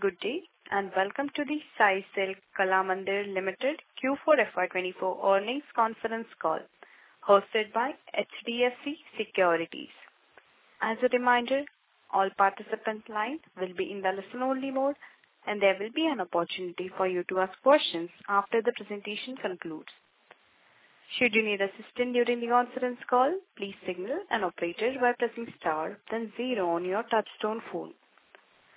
Good day and welcome to the Sai Silks Kalamandir Limited Q4/FY 2024 earnings conference call hosted by HDFC Securities. As a reminder, all participants' lines will be in the listen-only mode, and there will be an opportunity for you to ask questions after the presentation concludes. Should you need assistance during the conference call, please signal an operator by pressing star, then zero on your touch-tone phone.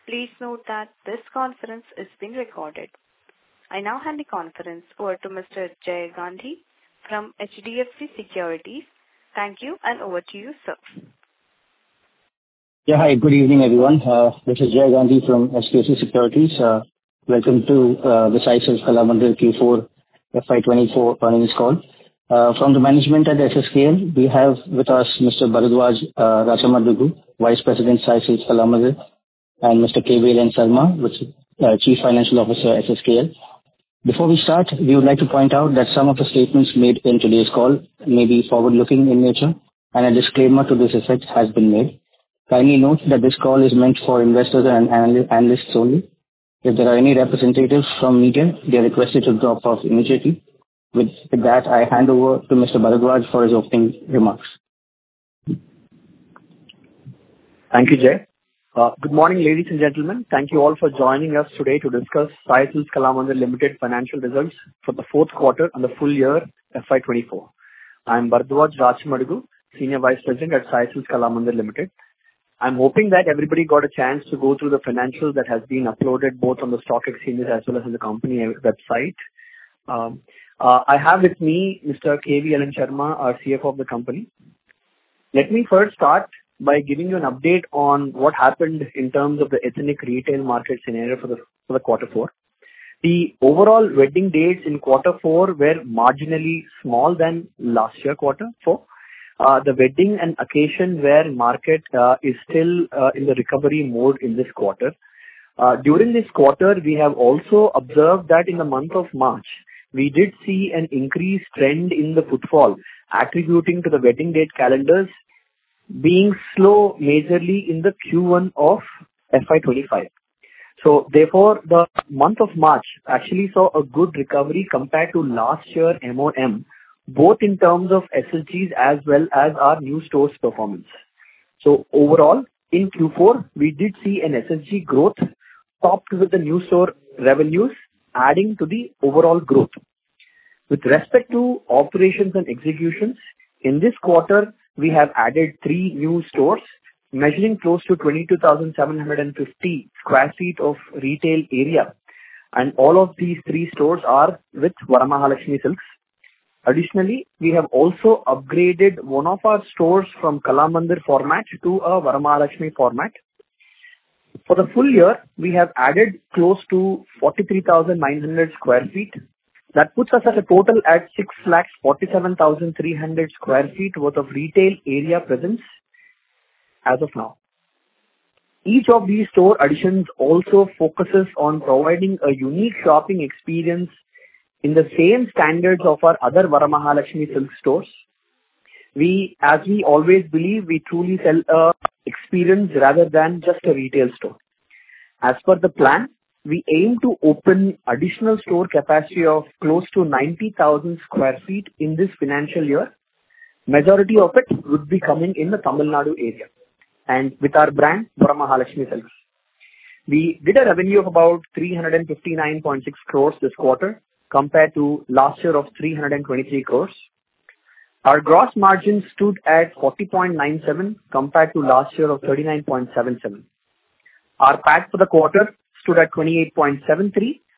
Please note that this conference is being recorded. I now hand the conference over to Mr. Jay Gandhi from HDFC Securities. Thank you, and over to you, sir. Yeah, hi. Good evening, everyone. This is Jay Gandhi from HDFC Securities. Welcome to the Sai Silks Kalamandir Q4/FY 2024 earnings call. From the management at SSKL, we have with us Mr. Bharadwaj Rachamadugu, Vice President Sai Silks Kalamandir, and Mr. K.V.L.N. Sarma, Chief Financial Officer SSKL. Before we start, we would like to point out that some of the statements made in today's call may be forward-looking in nature, and a disclaimer to this effect has been made. Kindly note that this call is meant for investors and analysts only. If there are any representatives from media, they are requested to drop off immediately. With that, I hand over to Mr. Bharadwaj for his opening remarks. Thank you, Jay. Good morning, ladies and gentlemen. Thank you all for joining us today to discuss Sai Silks (Kalamandir) Limited financial results for the fourth quarter and the full year FY 2024. I'm Bharadwaj Rachamadugu, Senior Vice President at Sai Silks Kalamandir Limited. I'm hoping that everybody got a chance to go through the financials that have been uploaded both on the stock exchanges as well as on the company website. I have with me Mr. K.V.L.N. Sarma, our CFO of the company. Let me first start by giving you an update on what happened in terms of the ethnic retail market scenario for the quarter four. The overall wedding dates in quarter four were marginally smaller than last year quarter four. The wedding and occasion-wear market is still in the recovery mode in this quarter. During this quarter, we have also observed that in the month of March, we did see an increased trend in the footfall attributing to the wedding date calendars being slow majorly in the Q1 of FY 2025. So, therefore, the month of March actually saw a good recovery compared to last year month-over-month, both in terms of SSGs as well as our new store's performance. So overall, in Q4, we did see an SSG growth topped with the new store revenues, adding to the overall growth. With respect to operations and executions, in this quarter, we have added three new stores measuring close to 22,750 sq ft of retail area, and all of these three stores are with Varamahalakshmi Silks. Additionally, we have also upgraded one of our stores from Kalamandir format to a Varamahalakshmi format. For the full year, we have added close to 43,900 sq ft. That puts us at a total at 647,300 sq ft worth of retail area presence as of now. Each of these store additions also focuses on providing a unique shopping experience in the same standards of our other Varamahalakshmi Silks stores. As we always believe, we truly sell an experience rather than just a retail store. As per the plan, we aim to open additional store capacity of close to 90,000 sq ft in this financial year. Majority of it would be coming in the Tamil Nadu area and with our brand, Varamahalakshmi Silks. We did a revenue of about 359.6 crores this quarter compared to last year of 323 crores. Our gross margins stood at 40.97% compared to last year of 39.77%. Our PAT for the quarter stood at 28.73 crores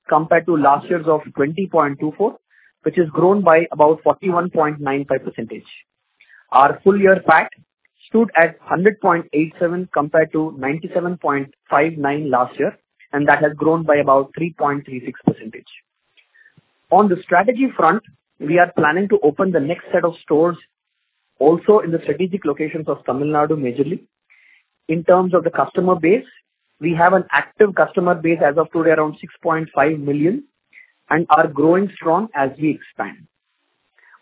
compared to last year's of 20.24 crores, which has grown by about 41.95%. Our full-year PAT stood at 100.87 compared to 97.59 last year, and that has grown by about 3.36%. On the strategy front, we are planning to open the next set of stores also in the strategic locations of Tamil Nadu majorly. In terms of the customer base, we have an active customer base as of today around 6.5 million and are growing strong as we expand.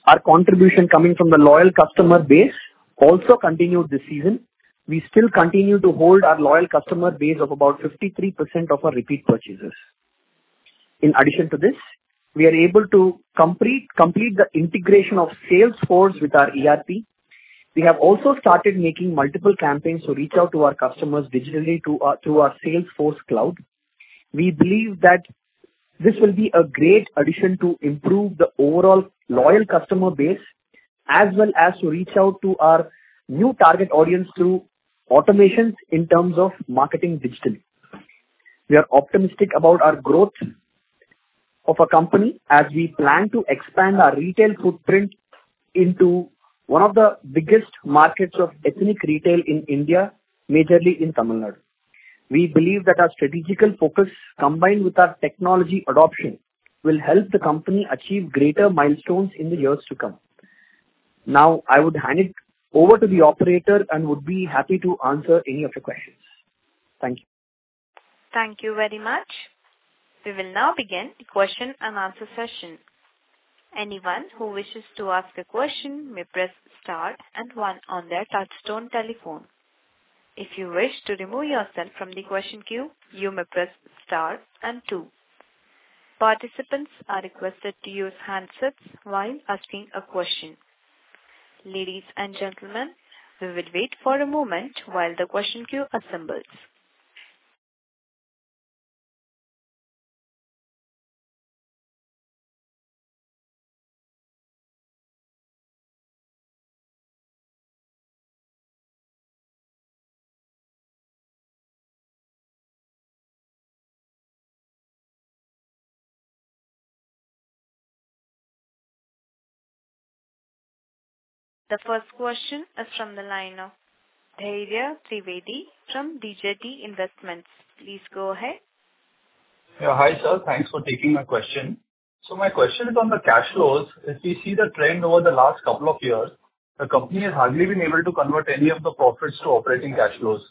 Our contribution coming from the loyal customer base also continued this season. We still continue to hold our loyal customer base of about 53% of our repeat purchases. In addition to this, we are able to complete the integration of Salesforce with our ERP. We have also started making multiple campaigns to reach out to our customers digitally through our Salesforce Cloud. We believe that this will be a great addition to improve the overall loyal customer base as well as to reach out to our new target audience through automations in terms of marketing digitally. We are optimistic about our growth of a company as we plan to expand our retail footprint into one of the biggest markets of ethnic retail in India, majorly in Tamil Nadu. We believe that our strategic focus, combined with our technology adoption, will help the company achieve greater milestones in the years to come. Now, I would hand it over to the operator and would be happy to answer any of your questions. Thank you. Thank you very much. We will now begin the question-and-answer session. Anyone who wishes to ask a question may press star and one on their touch-tone telephone. If you wish to remove yourself from the question queue, you may press star and two. Participants are requested to use handsets while asking a question. Ladies and gentlemen, we will wait for a moment while the question queue assembles. The first question is from the line of Dhairya Trivedi from DJT Investments. Please go ahead. Yeah, hi sir. Thanks for taking my question. So my question is on the cash flows. If we see the trend over the last couple of years, the company has hardly been able to convert any of the profits to operating cash flows.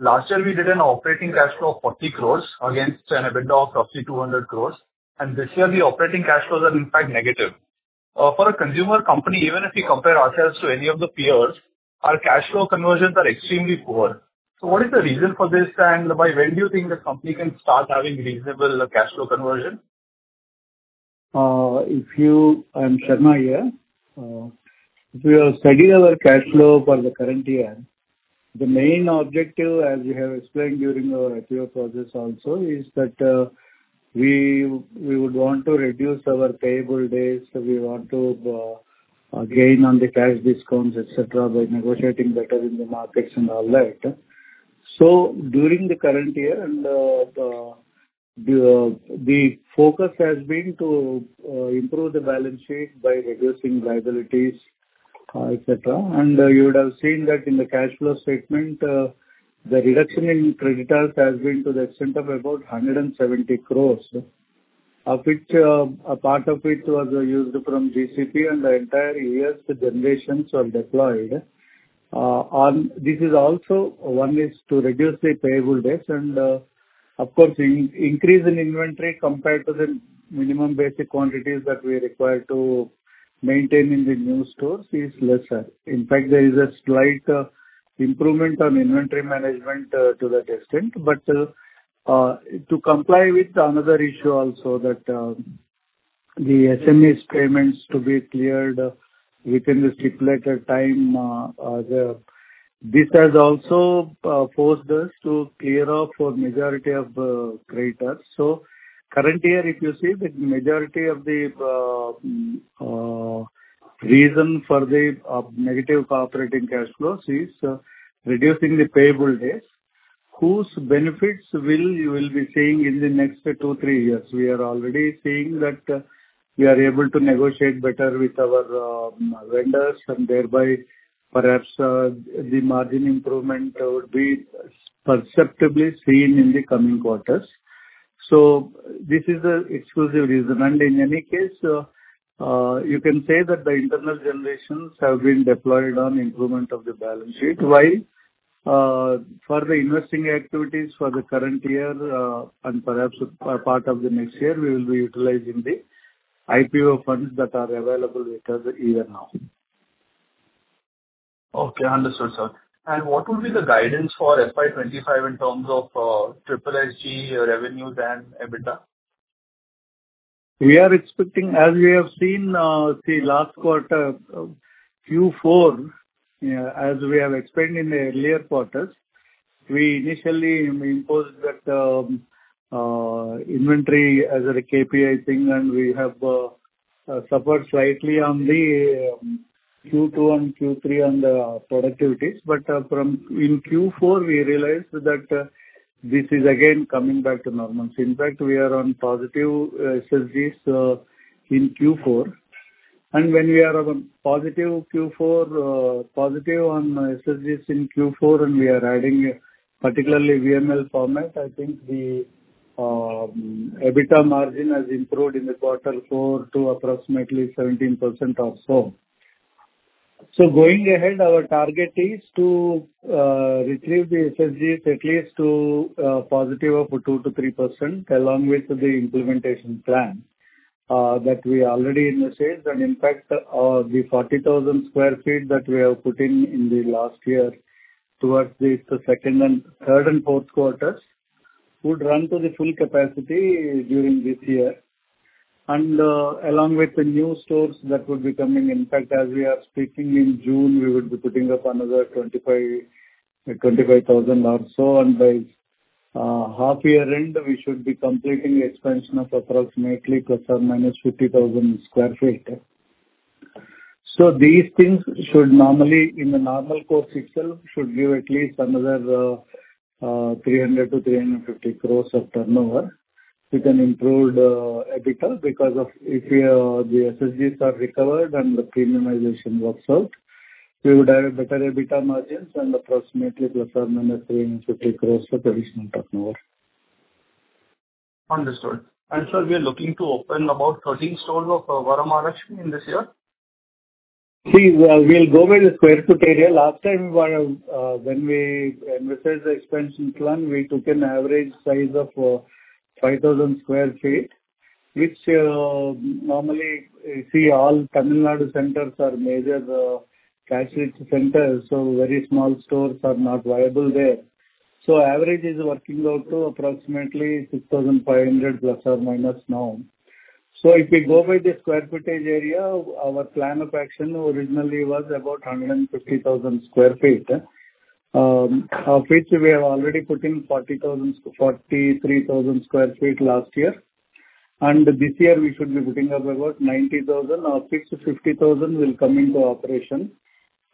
Last year, we did an operating cash flow of 40 crores against a bid of roughly 200 crores, and this year, the operating cash flows are, in fact, negative. For a consumer company, even if we compare ourselves to any of the peers, our cash flow conversions are extremely poor. So what is the reason for this, and by when do you think the company can start having reasonable cash flow conversion? I'm Sarma here. If we are studying our cash flow for the current year, the main objective, as you have explained during our IPO process also, is that we would want to reduce our payable days. We want to gain on the cash discounts, etc., by negotiating better in the markets and all that. So during the current year, the focus has been to improve the balance sheet by reducing liabilities, etc. And you would have seen that in the cash flow statement, the reduction in creditors has been to the extent of about 170 crore, of which a part of it was used from GCP, and the entire year's generations are deployed. This is also one is to reduce the payable days, and of course, the increase in inventory compared to the minimum basic quantities that we are required to maintain in the new stores is lesser. In fact, there is a slight improvement on inventory management to that extent. But to comply with another issue also, that the SMEs' payments to be cleared within the stipulated time, this has also forced us to clear off for the majority of creditors. So current year, if you see, the majority of the reason for the negative operating cash flows is reducing the payable days. Whose benefits will you be seeing in the next two, three years? We are already seeing that we are able to negotiate better with our vendors, and thereby, perhaps the margin improvement would be perceptibly seen in the coming quarters. So this is the exclusive reason. In any case, you can say that the internal generations have been deployed on improvement of the balance sheet, while for the investing activities for the current year and perhaps a part of the next year, we will be utilizing the IPO funds that are available with us even now. Okay, understood, sir. What would be the guidance for FY 2025 in terms of SSG revenues and EBITDA? We are expecting, as we have seen the last quarter, Q4, as we have explained in the earlier quarters, we initially imposed that inventory as a KPI thing, and we have suffered slightly on the Q2 and Q3 on the productivities. But in Q4, we realized that this is again coming back to normal. In fact, we are on positive SSGs in Q4. And when we are on positive Q4, positive on SSGs in Q4, and we are adding particularly VML format, I think the EBITDA margin has improved in the quarter four to approximately 17% or so. So going ahead, our target is to retrieve the SSGs at least to a positive of 2%-3% along with the implementation plan that we already initiated. In fact, the 40,000 sq ft that we have put in in the last year towards the third and fourth quarters would run to the full capacity during this year. Along with the new stores that would be coming, in fact, as we are speaking in June, we would be putting up another 25,000 or so. By half-year end, we should be completing the expansion of approximately ±50,000 sq ft. So these things should normally, in the normal course itself, should give at least another 300 crore-350 crore of turnover with an improved EBITDA because if the SSGs are recovered and the premiumization works out, we would have better EBITDA margins and approximately ±INR 350 crore of additional turnover. Understood. Sir, we are looking to open about 13 stores of Varamahalakshmi in this year? See, we'll go with the square feet area. Last time, when we initiated the expansion plan, we took an average size of 5,000 sq ft, which normally, you see, all Tamil Nadu centers are major cash-rich centers, so very small stores are not viable there. So average is working out to approximately 6,500 ± now. So if we go by the sq ft area, our plan of action originally was about 150,000 sq ft, of which we have already put in 43,000 sq ft last year. And this year, we should be putting up about 90,000, of which 50,000 will come into operation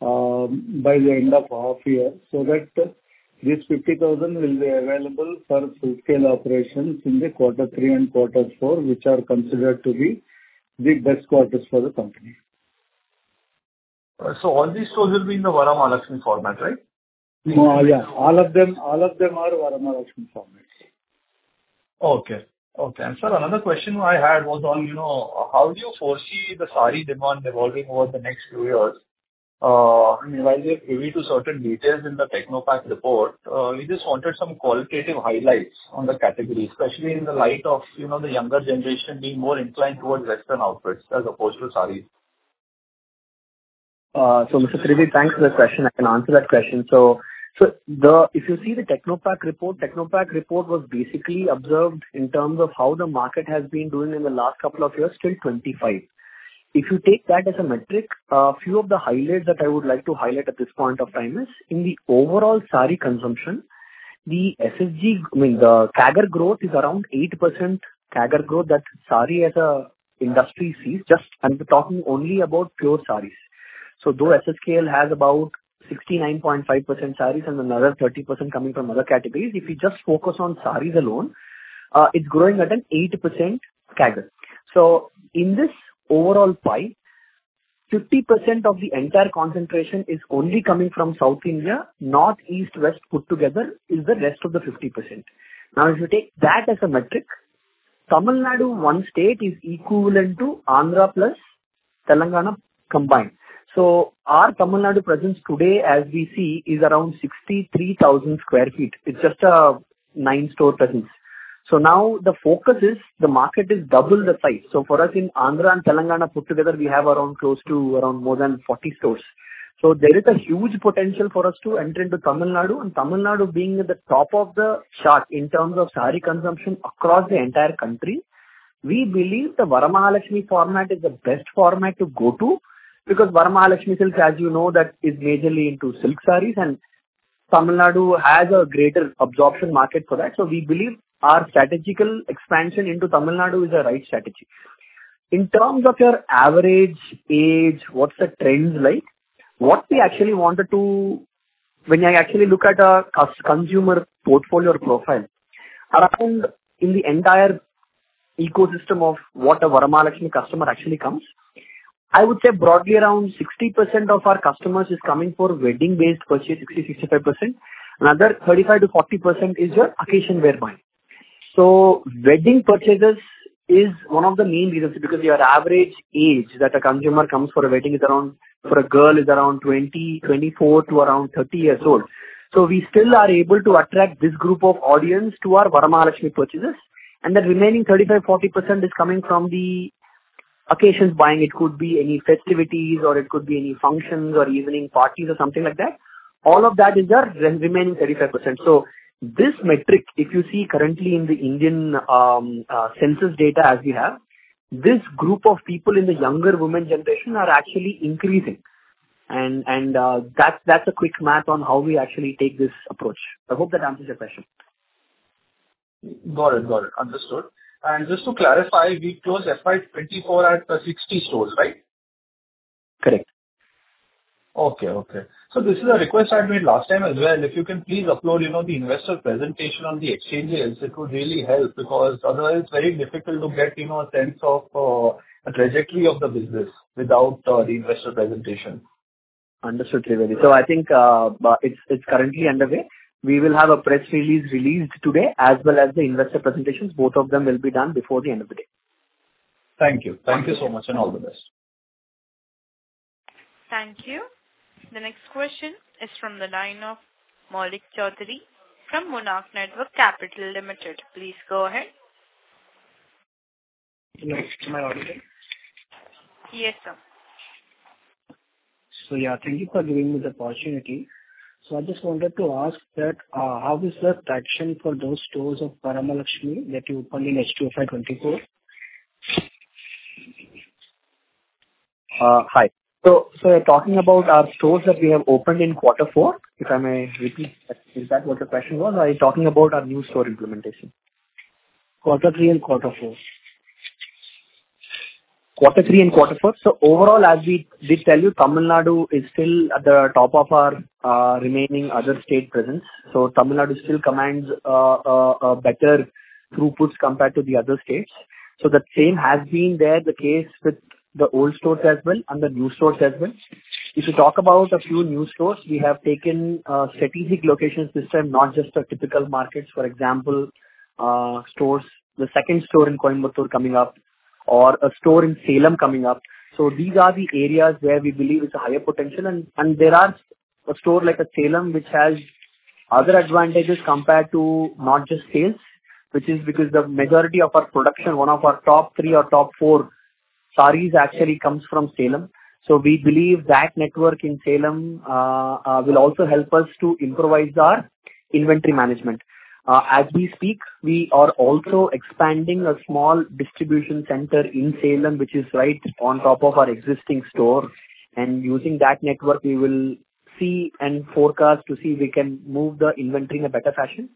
by the end of half-year. So that these 50,000 will be available for full-scale operations in the quarter three and quarter four, which are considered to be the best quarters for the company. All these stores will be in the Varamahalakshmi format, right? Yeah, all of them are Varamahalakshmi format. Okay. Okay. And sir, another question I had was on how do you foresee the saree demand evolving over the next few years? I mean, while we are privy to certain details in the Technopak report, we just wanted some qualitative highlights on the category, especially in the light of the younger generation being more inclined towards Western outfits as opposed to sarees. So Mr. Trivedi, thanks for the question. I can answer that question. So if you see the Technopak report, Technopak report was basically observed in terms of how the market has been doing in the last couple of years, still 25. If you take that as a metric, a few of the highlights that I would like to highlight at this point of time is in the overall saree consumption, the SSG I mean, the CAGR growth is around 8% CAGR growth that saree as an industry sees, and we're talking only about pure sarees. So though SSKL has about 69.5% sarees and another 30% coming from other categories, if you just focus on sarees alone, it's growing at an 8% CAGR. So in this overall pie, 50% of the entire concentration is only coming from South India. Northeast, West put together is the rest of the 50%. Now, if you take that as a metric, Tamil Nadu one state is equivalent to Andhra plus Telangana combined. So our Tamil Nadu presence today, as we see, is around 63,000 sq ft. It's just a nine-store presence. So now the focus is the market has doubled the size. So for us in Andhra and Telangana put together, we have around close to around more than 40 stores. So there is a huge potential for us to enter into Tamil Nadu. And Tamil Nadu being at the top of the chart in terms of saree consumption across the entire country, we believe the Varamahalakshmi format is the best format to go to because Varamahalakshmi Silks, as you know, that is majorly into silk sarees, and Tamil Nadu has a greater absorption market for that. So we believe our strategical expansion into Tamil Nadu is the right strategy. In terms of your average age, what's the trends like? What we actually wanted to when I actually look at a consumer portfolio profile around in the entire ecosystem of what a Varamahalakshmi customer actually comes, I would say broadly around 60% of our customers is coming for wedding-based purchase, 60%-65%. Another 35%-40% is your occasion wear-buy. So wedding purchases is one of the main reasons because your average age that a consumer comes for a wedding is around for a girl, is around 20, 24 to around 30 years old. So we still are able to attract this group of audience to our Varamahalakshmi purchases. And the remaining 35-40% is coming from the occasions buying. It could be any festivities, or it could be any functions, or evening parties, or something like that. All of that is the remaining 35%. So this metric, if you see currently in the Indian census data as we have, this group of people in the younger women generation are actually increasing. And that's a quick math on how we actually take this approach. I hope that answers your question. Got it. Got it. Understood. Just to clarify, we closed FY 2024 at 60 stores, right? Correct. Okay. Okay. So this is a request I made last time as well. If you can please upload the investor presentation on the exchange days, it would really help because otherwise, it's very difficult to get a sense of a trajectory of the business without the investor presentation. Understood, Trivedi. So I think it's currently underway. We will have a press release released today as well as the investor presentations. Both of them will be done before the end of the day. Thank you. Thank you so much, and all the best. Thank you. The next question is from the line of Maulik Chaudhari from Monarch Networth Capital Limited. Please go ahead. Am I audible? Yes, sir. Yeah, thank you for giving me the opportunity. I just wanted to ask that how is the traction for those stores of Varamahalakshmi that you opened in H2 FY 2024? Hi. So we're talking about our stores that we have opened in quarter four. If I may repeat, is that what your question was? Are you talking about our new store implementation? Quarter three and quarter four. Quarter three and quarter four. Overall, as we did tell you, Tamil Nadu is still at the top of our remaining other state presence. Tamil Nadu still commands a better throughput compared to the other states. The same has been there, the case with the old stores as well and the new stores as well. If you talk about a few new stores, we have taken strategic locations this time, not just the typical markets. For example, the second store in Coimbatore, coming up, or a store in Salem, coming up. These are the areas where we believe it's a higher potential. And there are a store like Salem which has other advantages compared to not just sales, which is because the majority of our production, one of our top three or top four sarees, actually comes from Salem. We believe that network in Salem will also help us to improvise our inventory management. As we speak, we are also expanding a small distribution center in Salem, which is right on top of our existing store. Using that network, we will see and forecast to see if we can move the inventory in a better fashion.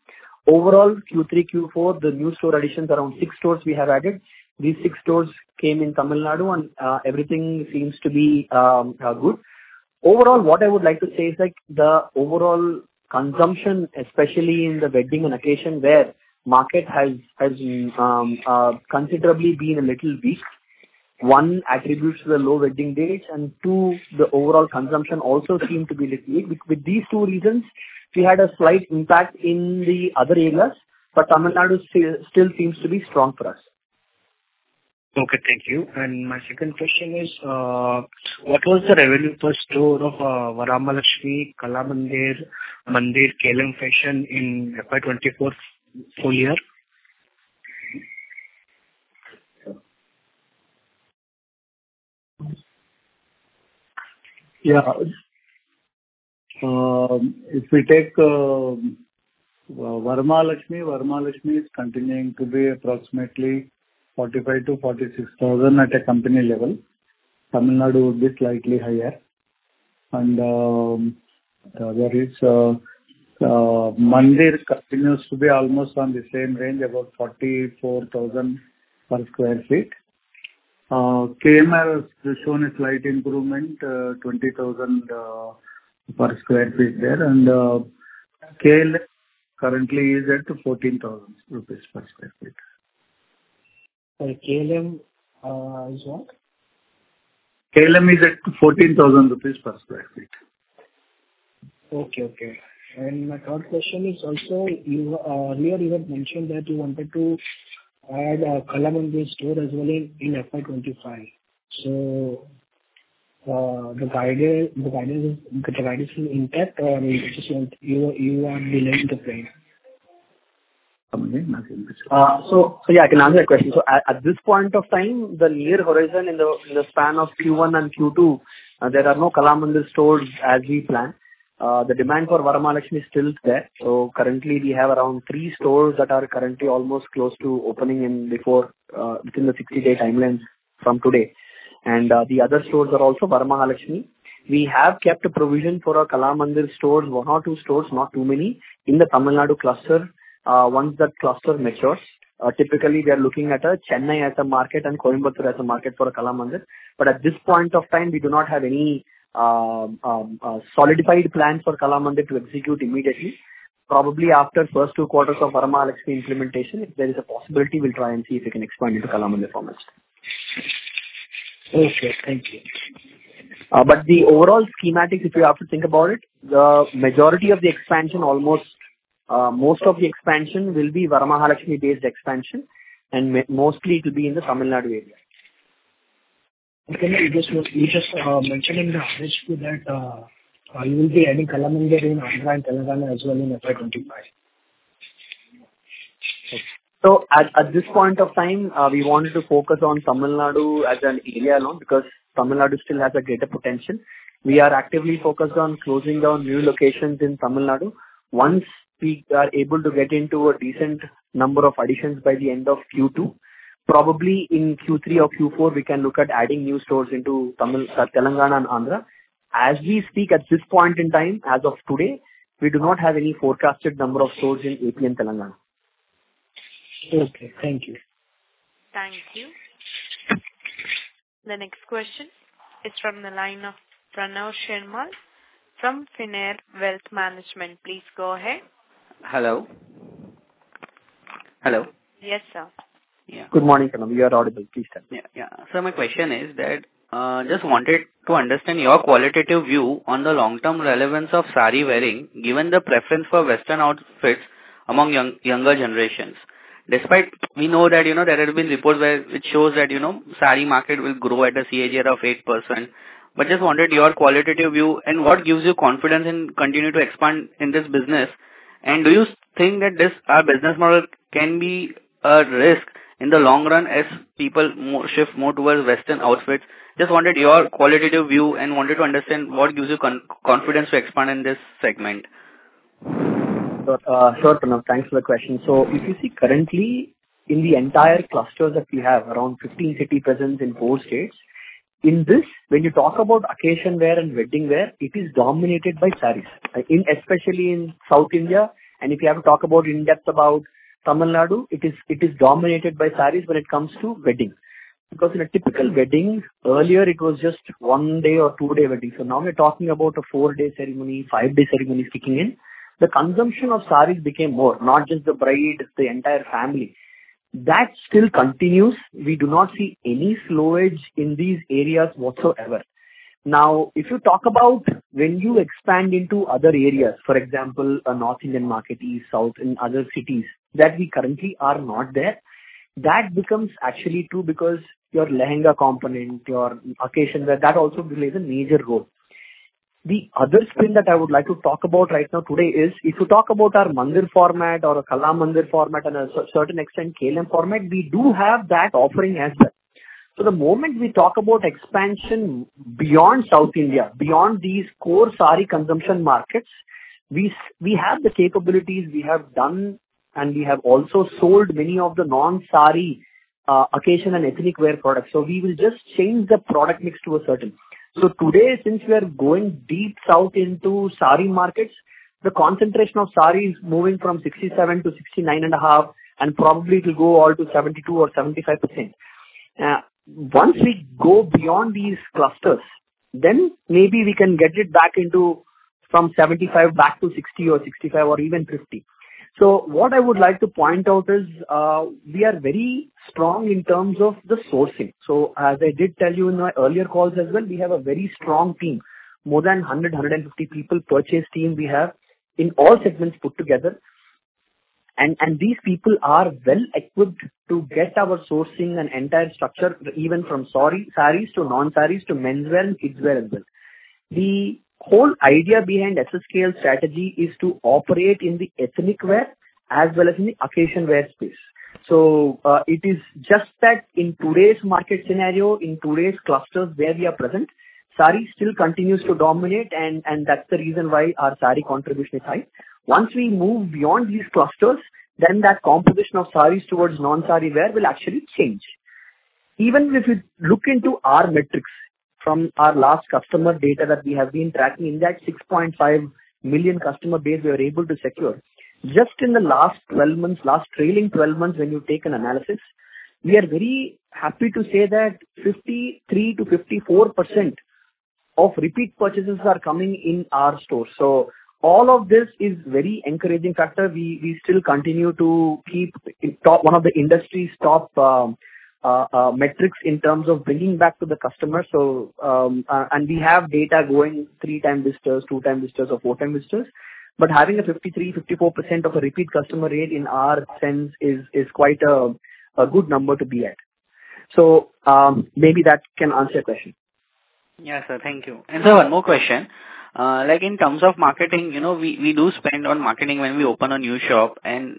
Overall, Q3, Q4, the new store additions, around six stores we have added. These six stores came in Tamil Nadu, and everything seems to be good. Overall, what I would like to say is the overall consumption, especially in the wedding and occasion wear, market has considerably been a little weak. One, attributes to the low wedding dates. Two, the overall consumption also seemed to be a little weak. With these two reasons, we had a slight impact in the other areas, but Tamil Nadu still seems to be strong for us. Okay. Thank you. And my second question is, what was the revenue per store of Varamahalakshmi, Kalamandir, Mandir, KLM Fashion in FY 2024 full year? Yeah. If we take Varamahalakshmi, Varamahalakshmi is continuing to be approximately 45,000-46,000 at a company level. Tamil Nadu would be slightly higher. And there is Mandir continues to be almost on the same range, about 44,000 per sq ft. KLM has shown a slight improvement, 20,000 per sq ft there. And KLM currently is at 14,000 rupees per sq ft. KLM is what? KLM is at 14,000 rupees per sq ft. Okay. Okay. And my third question is also, earlier, you had mentioned that you wanted to add a Kalamandir store as well in FY 2025. So the guidance is intact, or you are delaying the plan? So yeah, I can answer that question. At this point of time, the near horizon in the span of Q1 and Q2, there are no Kalamandir stores as we plan. The demand for Varamahalakshmi is still there. So currently, we have around three stores that are currently almost close to opening within the 60-day timeline from today. And the other stores are also Varamahalakshmi. We have kept a provision for Kalamandir stores, one or two stores, not too many, in the Tamil Nadu cluster once that cluster matures. Typically, we are looking at Chennai as a market and Coimbatore, as a market for Kalamandir. But at this point of time, we do not have any solidified plan for Kalamandir to execute immediately. Probably after the first two quarters of Varamahalakshmi implementation, if there is a possibility, we'll try and see if we can expand into Kalamandir for the next year. Okay. Thank you. But the overall schematics, if you have to think about it, the majority of the expansion, almost most of the expansion, will be Varamahalakshmi-based expansion. And mostly, it will be in the Tamil Nadu area. Okay. You just mentioned in the average that you will be adding Kalamandir in Andhra and Telangana as well in FY 2025. So at this point of time, we wanted to focus on Tamil Nadu as an area alone because Tamil Nadu still has a greater potential. We are actively focused on closing down new locations in Tamil Nadu once we are able to get into a decent number of additions by the end of Q2. Probably in Q3 or Q4, we can look at adding new stores into Telangana and Andhra. As we speak at this point in time, as of today, we do not have any forecasted number of stores in AP and Telangana. Okay. Thank you. Thank you. The next question is from the line of Pranav Shrimal from Pioneer Wealth Management. Please go ahead. Hello. Hello. Yes, sir. Yeah. Good morning, Pranav. You are audible. Please tell me. Yeah. Yeah. So my question is that I just wanted to understand your qualitative view on the long-term relevance of saree wearing given the preference for Western outfits among younger generations. We know that there have been reports which show that saree market will grow at a CAGR of 8%. But I just wanted your qualitative view and what gives you confidence in continuing to expand in this business. And do you think that our business model can be a risk in the long run as people shift more towards Western outfits? Just wanted your qualitative view and wanted to understand what gives you confidence to expand in this segment. Sure, Pranav. Thanks for the question. So if you see currently, in the entire clusters that we have, around 15-50 presence in four states, when you talk about occasion wear and wedding wear, it is dominated by sarees, especially in South India. And if you have to talk in depth about Tamil Nadu, it is dominated by sarees when it comes to wedding because in a typical wedding, earlier, it was just 1-day or 2-day wedding. So now we're talking about a 4-day ceremony, 5-day ceremony kicking in. The consumption of sarees became more, not just the bride, the entire family. That still continues. We do not see any slowdown in these areas whatsoever. Now, if you talk about when you expand into other areas, for example, a North Indian market, East, South, in other cities that we currently are not there, that becomes actually true because your lehenga component, your occasion wear, that also plays a major role. The other spin that I would like to talk about right now today is if you talk about our Mandir format or a Kalamandir format and a certain extent KLM format, we do have that offering as well. So the moment we talk about expansion beyond South India, beyond these core saree consumption markets, we have the capabilities. We have done, and we have also sold many of the non-saree occasion and ethnic wear products. So we will just change the product mix to a certain. So today, since we are going deep south into saree markets, the concentration of sarees is moving from 67%-69.5%, and probably it will go all to 72% or 75%. Once we go beyond these clusters, then maybe we can get it back from 75% back to 60% or 65% or even 50%. So what I would like to point out is we are very strong in terms of the sourcing. So as I did tell you in my earlier calls as well, we have a very strong team, more than 100-150 people purchase team we have in all segments put together. And these people are well-equipped to get our sourcing and entire structure, even from sarees to non-sarees to men's wear and kids' wear as well. The whole idea behind SSKL strategy is to operate in the ethnic wear as well as in the occasion wear space. So it is just that in today's market scenario, in today's clusters where we are present, saree still continues to dominate, and that's the reason why our saree contribution is high. Once we move beyond these clusters, then that composition of sarees towards non-saree wear will actually change. Even if you look into our metrics from our last customer data that we have been tracking in that 6.5 million customer base we were able to secure, just in the last 12 months, last trailing 12 months, when you take an analysis, we are very happy to say that 53%-54% of repeat purchases are coming in our stores. So all of this is a very encouraging factor. We still continue to keep one of the industry's top metrics in terms of bringing back to the customers. We have data going three-time visitors, two-time visitors, or four-time visitors. Having a 53%-54% of a repeat customer rate in our sense is quite a good number to be at. Maybe that can answer your question. Yes, sir. Thank you. So one more question. In terms of marketing, we do spend on marketing when we open a new shop, and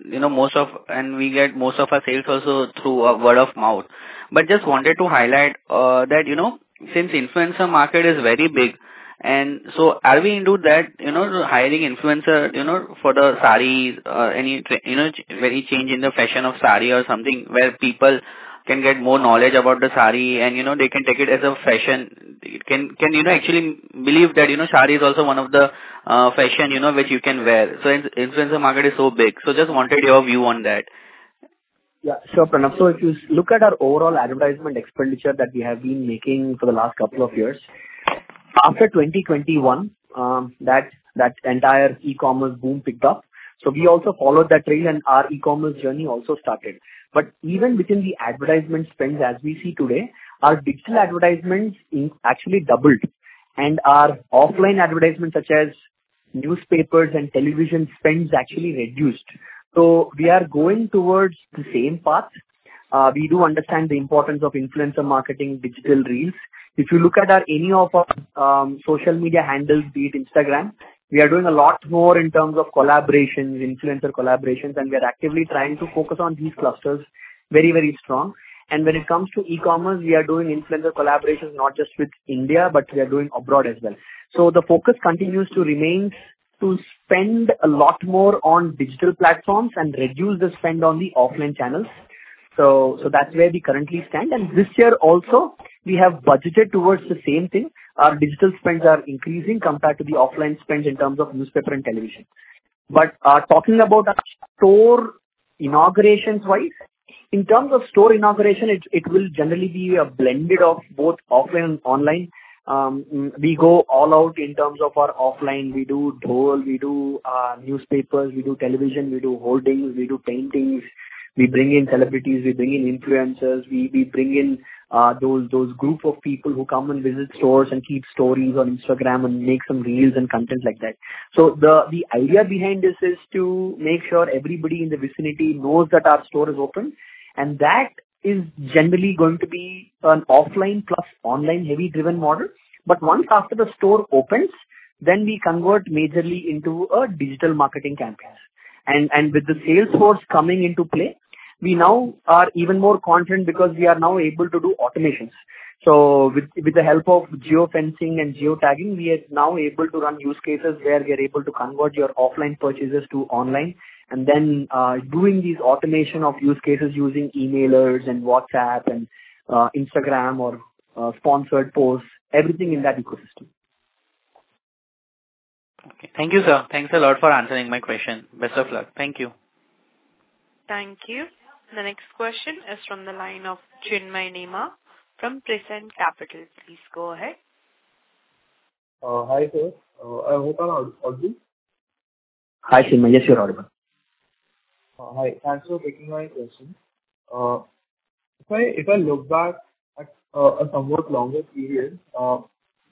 we get most of our sales also through word of mouth. But I just wanted to highlight that since the influencer market is very big, and so are we into that hiring influencer for the sarees, any change in the fashion of saree or something where people can get more knowledge about the saree, and they can take it as a fashion? Can you actually believe that saree is also one of the fashion which you can wear? So influencer market is so big. So I just wanted your view on that. Yeah. Sure, Pranav. So if you look at our overall advertisement expenditure that we have been making for the last couple of years, after 2021, that entire e-commerce boom picked up. So we also followed that trail, and our e-commerce journey also started. But even within the advertisement spend as we see today, our digital advertisements actually doubled. And our offline advertisements, such as newspapers and television, spend actually reduced. So we are going towards the same path. We do understand the importance of influencer marketing, digital reels. If you look at any of our social media handles, be it Instagram, we are doing a lot more in terms of influencer collaborations, and we are actively trying to focus on these clusters very, very strong. And when it comes to e-commerce, we are doing influencer collaborations not just with India, but we are doing abroad as well. The focus continues to remain to spend a lot more on digital platforms and reduce the spend on the offline channels. That's where we currently stand. This year also, we have budgeted towards the same thing. Our digital spends are increasing compared to the offline spends in terms of newspaper and television. But talking about our store inaugurations-wise, in terms of store inauguration, it will generally be a blended of both offline and online. We go all out in terms of our offline. We do dhol. We do newspapers. We do television. We do hoardings. We do paintings. We bring in celebrities. We bring in influencers. We bring in those groups of people who come and visit stores and keep stories on Instagram and make some reels and content like that. The idea behind this is to make sure everybody in the vicinity knows that our store is open. That is generally going to be an offline plus online-heavy-driven model. But once after the store opens, then we convert majorly into a digital marketing campaign. With the Salesforce coming into play, we now are even more confident because we are now able to do automations. With the help of geofencing and geotagging, we are now able to run use cases where we are able to convert your offline purchases to online and then doing these automation of use cases using emailers and WhatsApp and Instagram or sponsored posts, everything in that ecosystem. Okay. Thank you, sir. Thanks a lot for answering my question. Best of luck. Thank you. Thank you. The next question is from the line of Chinmay Nema from Prescient Capital. Please go ahead. Hi, sir. I hope I'm audible. Hi, Chinmay. Yes, you're audible. Hi. Thanks for taking my question. If I look back at a somewhat longer period,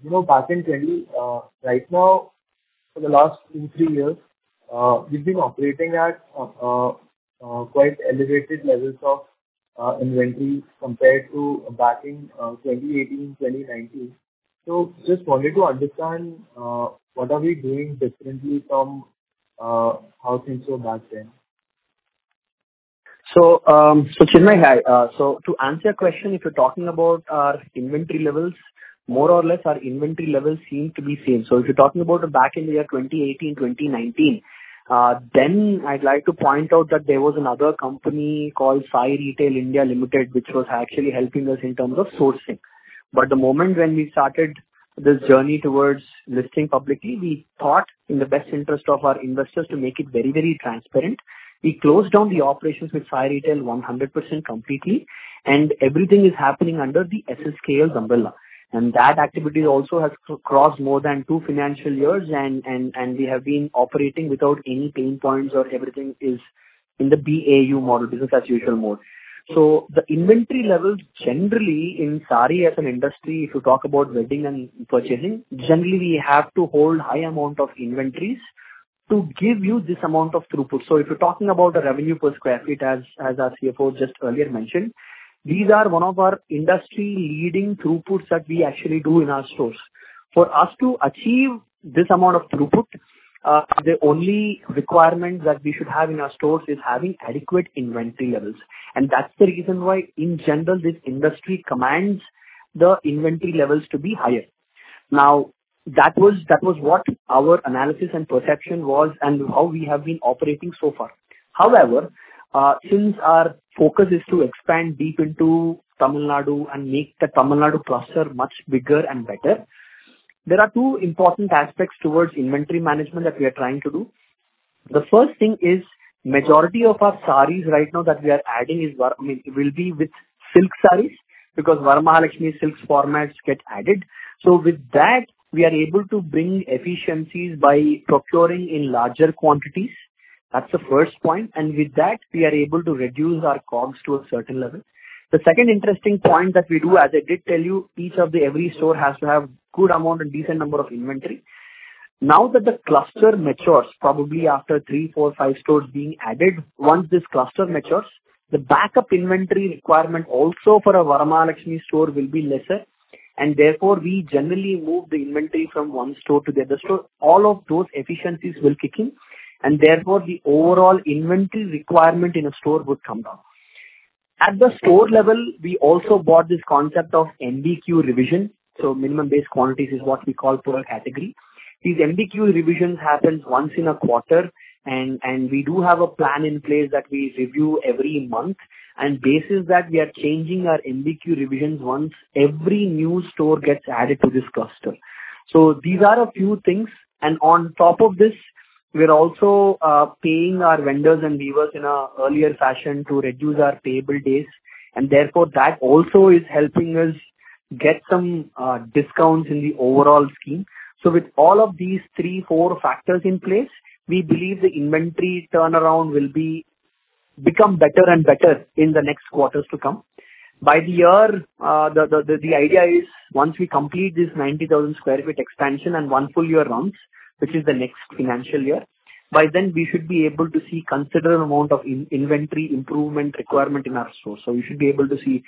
back in 2020 right now, for the last two, three years, we've been operating at quite elevated levels of inventory compared to back in 2018, 2019. I just wanted to understand what are we doing differently from how things were back then. So Chinmay, so to answer your question, if you're talking about our inventory levels, more or less, our inventory levels seem to be same. So if you're talking about back in the year 2018, 2019, then I'd like to point out that there was another company called Sai Retail India Limited, which was actually helping us in terms of sourcing. But the moment when we started this journey towards listing publicly, we thought, in the best interest of our investors, to make it very, very transparent, we closed down the operations with Sai Retail 100% completely. And everything is happening under the SSKL umbrella. And that activity also has crossed more than two financial years, and we have been operating without any pain points, or everything is in the BAU model, business as usual mode. So the inventory levels, generally, in saree as an industry, if you talk about wedding and purchasing, generally, we have to hold a high amount of inventories to give you this amount of throughput. So if you're talking about a revenue per square feet, as our CFO just earlier mentioned, these are one of our industry-leading throughputs that we actually do in our stores. For us to achieve this amount of throughput, the only requirement that we should have in our stores is having adequate inventory levels. And that's the reason why, in general, this industry commands the inventory levels to be higher. Now, that was what our analysis and perception was and how we have been operating so far. However, since our focus is to expand deep into Tamil Nadu and make the Tamil Nadu cluster much bigger and better, there are two important aspects towards inventory management that we are trying to do. The first thing is the majority of our sarees right now that we are adding is I mean, it will be with silk sarees because Varamahalakshmi Silks formats get added. So with that, we are able to bring efficiencies by procuring in larger quantities. That's the first point. And with that, we are able to reduce our COGS to a certain level. The second interesting point that we do, as I did tell you, each of the every store has to have a good amount and decent number of inventory. Now that the cluster matures, probably after three, four, five stores being added, once this cluster matures, the backup inventory requirement also for a Varamahalakshmi store will be lesser. Therefore, we generally move the inventory from one store to the other store. All of those efficiencies will kick in. Therefore, the overall inventory requirement in a store would come down. At the store level, we also brought this concept of MBQ revision. So minimum base quantities is what we call per category. These MBQ revisions happen once in a quarter. We do have a plan in place that we review every month. Based on that, we are changing our MBQ revisions once every new store gets added to this cluster. So these are a few things. On top of this, we're also paying our vendors and weavers in an earlier fashion to reduce our payable days. Therefore, that also is helping us get some discounts in the overall scheme. With all of these three, four factors in place, we believe the inventory turnaround will become better and better in the next quarters to come. By the year, the idea is once we complete this 90,000 sq ft expansion and one full year runs, which is the next financial year, by then, we should be able to see a considerable amount of inventory improvement requirement in our stores. So we should be able to see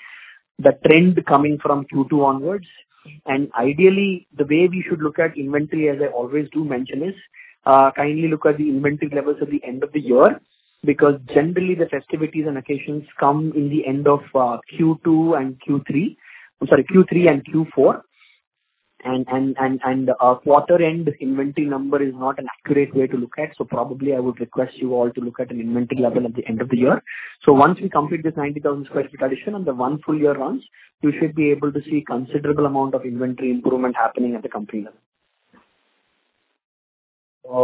the trend coming from Q2 onwards. Ideally, the way we should look at inventory, as I always do mention, is kindly look at the inventory levels at the end of the year because generally, the festivities and occasions come in the end of Q2 and Q3. I'm sorry, Q3 and Q4. Quarter-end inventory number is not an accurate way to look at. So probably, I would request you all to look at an inventory level at the end of the year. So once we complete this 90,000 sq ft addition and the one full year runs, you should be able to see a considerable amount of inventory improvement happening at the company level.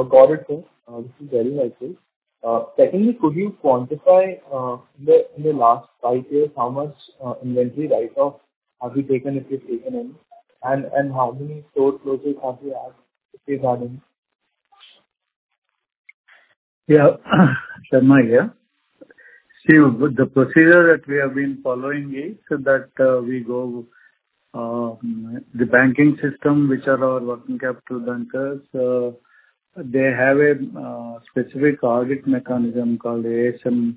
Got it, sir. This is very helpful. Secondly, could you quantify in the last five years how much inventory write-off have we taken, if we've taken any, and how many store closures have we had? If we've had any? Yeah. Chinmay, yeah. See, the procedure that we have been following is that we go the banking system, which are our working capital bankers, they have a specific audit mechanism called ASM,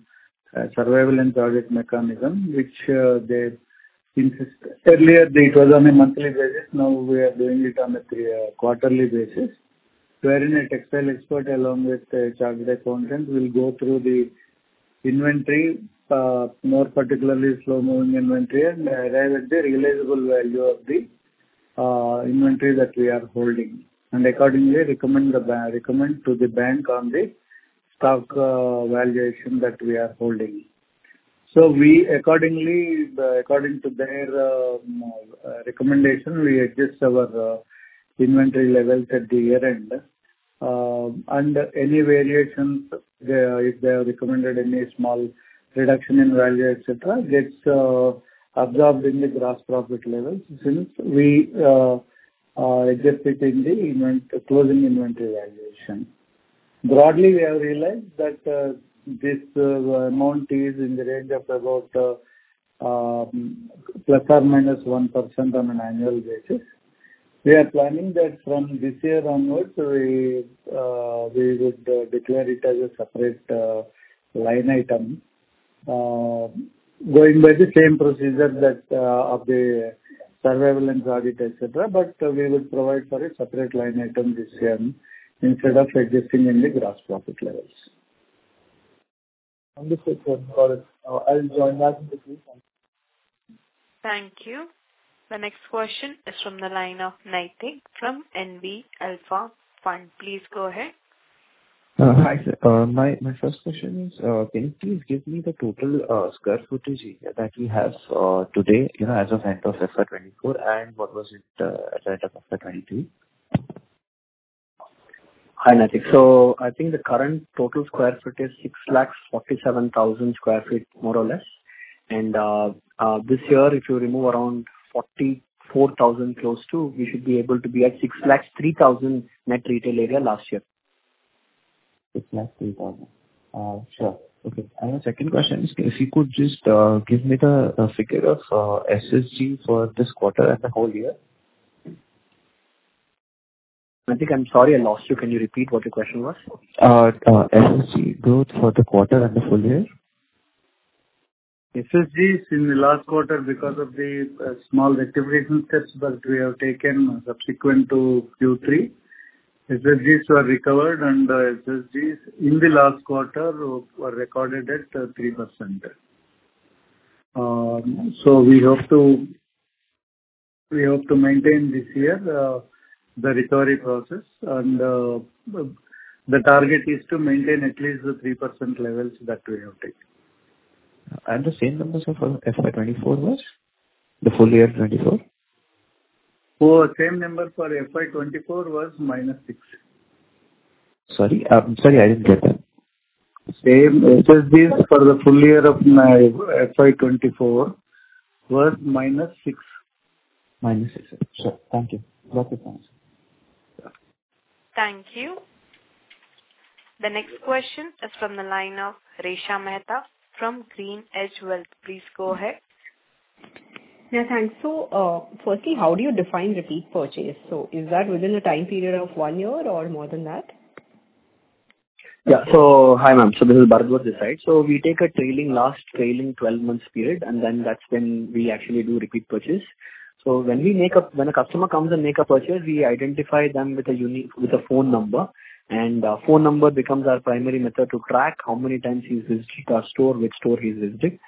Agency for Specialized Monitoring, which they earlier, it was on a monthly basis. Now, we are doing it on a quarterly basis, wherein a textile expert along with a chartered accountant will go through the inventory, more particularly slow-moving inventory, and arrive at the realizable value of the inventory that we are holding and accordingly recommend to the bank on the stock valuation that we are holding. So according to their recommendation, we adjust our inventory levels at the year-end. And any variations, if they are recommended any small reduction in value, etc., gets absorbed in the gross profit levels since we are executing the closing inventory valuation. Broadly, we have realized that this amount is in the range of about ±1% on an annual basis. We are planning that from this year onwards, we would declare it as a separate line item going by the same procedure of the surveillance audit, etc., but we would provide for a separate line item this year instead of existing in the gross profit levels. Understood, sir. Got it. I'll join that in the Q&A. Thank you. The next question is from the line of Naitik from NV Alpha Fund. Please go ahead. Hi, sir. My first question is, can you please give me the total square footage that we have today as of end of FY 2024, and what was it at the end of FY 2023? Hi, Naitik. So I think the current total square footage is 647,000 sq ft, more or less. And this year, if you remove around 44,000 close to, we should be able to be at 603,000 net retail area last year. 603,000. Sure. Okay. And the second question is, if you could just give me the figure of SSG for this quarter and the whole year. Naitik, I'm sorry I lost you. Can you repeat what your question was? SSG growth for the quarter and the full year? SSG is in the last quarter because of the small rectification steps that we have taken subsequent to Q3. SSGs were recovered, and SSGs in the last quarter were recorded at 3%. So we hope to maintain this year the recovery process. And the target is to maintain at least the 3% levels that we have taken. The same number for FY 2024 was? The full year 2024? Oh, same number for FY 2024 was -6. Sorry. I'm sorry. I didn't get that. Same SSGs for the full year of FY2024 was -6%. -6. Sure. Thank you. Lots of thanks. Thank you. The next question is from the line of Resha Mehta from GreenEdge Wealth. Please go ahead. Yeah. Thanks. So firstly, how do you define repeat purchase? So is that within a time period of one year or more than that? Yeah. So hi, ma'am. So this is Bharadwaj. So we take a trailing, last trailing 12-month period, and then that's when we actually do repeat purchase. So when a customer comes and makes a purchase, we identify them with a phone number. And a phone number becomes our primary method to track how many times he's visited our store, which store he's visited.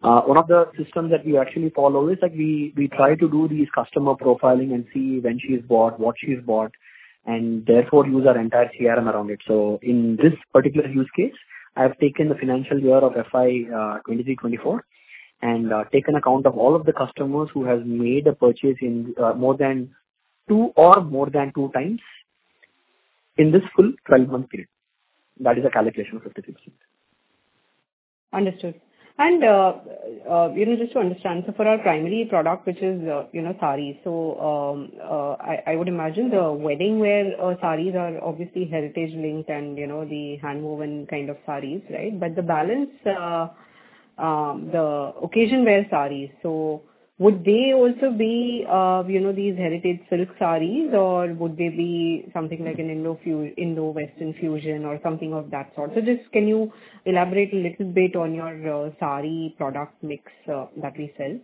One of the systems that we actually follow is we try to do this customer profiling and see when she's bought, what she's bought, and therefore use our entire CRM around it. So in this particular use case, I've taken the financial year of FY2023-2024 and taken account of all of the customers who have made a purchase in more than two or more than two times in this full 12-month period. That is a calculation of 50%. Understood. And just to understand, so for our primary product, which is sarees, so I would imagine the wedding-wear sarees are obviously heritage-linked and the handwoven kind of sarees, right? But the balance, the occasion-wear sarees, so would they also be these heritage silk sarees, or would they be something like an Indo-Western fusion or something of that sort? So just can you elaborate a little bit on your saree product mix that we sell?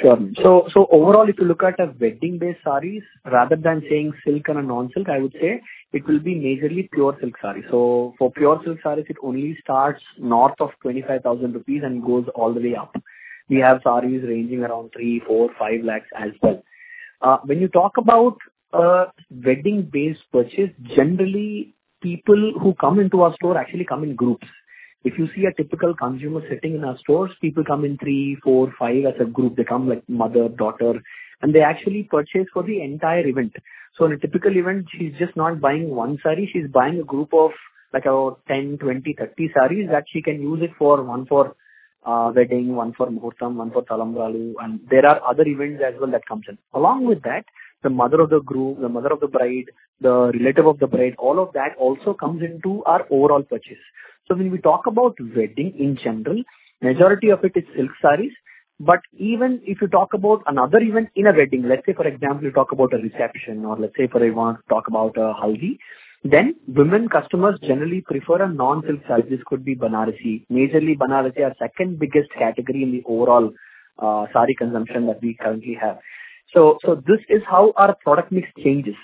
Sure. So overall, if you look at wedding-based sarees, rather than saying silk and a non-silk, I would say it will be majorly pure silk sarees. So for pure silk sarees, it only starts north of 25,000 rupees and goes all the way up. We have sarees ranging around 3 lakhs-5 lakhs as well. When you talk about wedding-based purchase, generally, people who come into our store actually come in groups. If you see a typical consumer sitting in our stores, people come in three, four, five as a group. They come like mother, daughter, and they actually purchase for the entire event. So in a typical event, she's just not buying one saree. She's buying a group of 10, 20, 30 sarees that she can use for one for wedding, one for muhurtham, one for talambralu. And there are other events as well that come in. Along with that, the mother of the groom, the mother of the bride, the relative of the bride, all of that also comes into our overall purchase. So when we talk about wedding, in general, majority of it is silk sarees. But even if you talk about another event in a wedding, let's say, for example, you talk about a reception or let's say, for example, talk about a haldi, then women customers generally prefer a non-silk saree. This could be Banarasi. Majorly, Banarasi are the second biggest category in the overall saree consumption that we currently have. So this is how our product mix changes.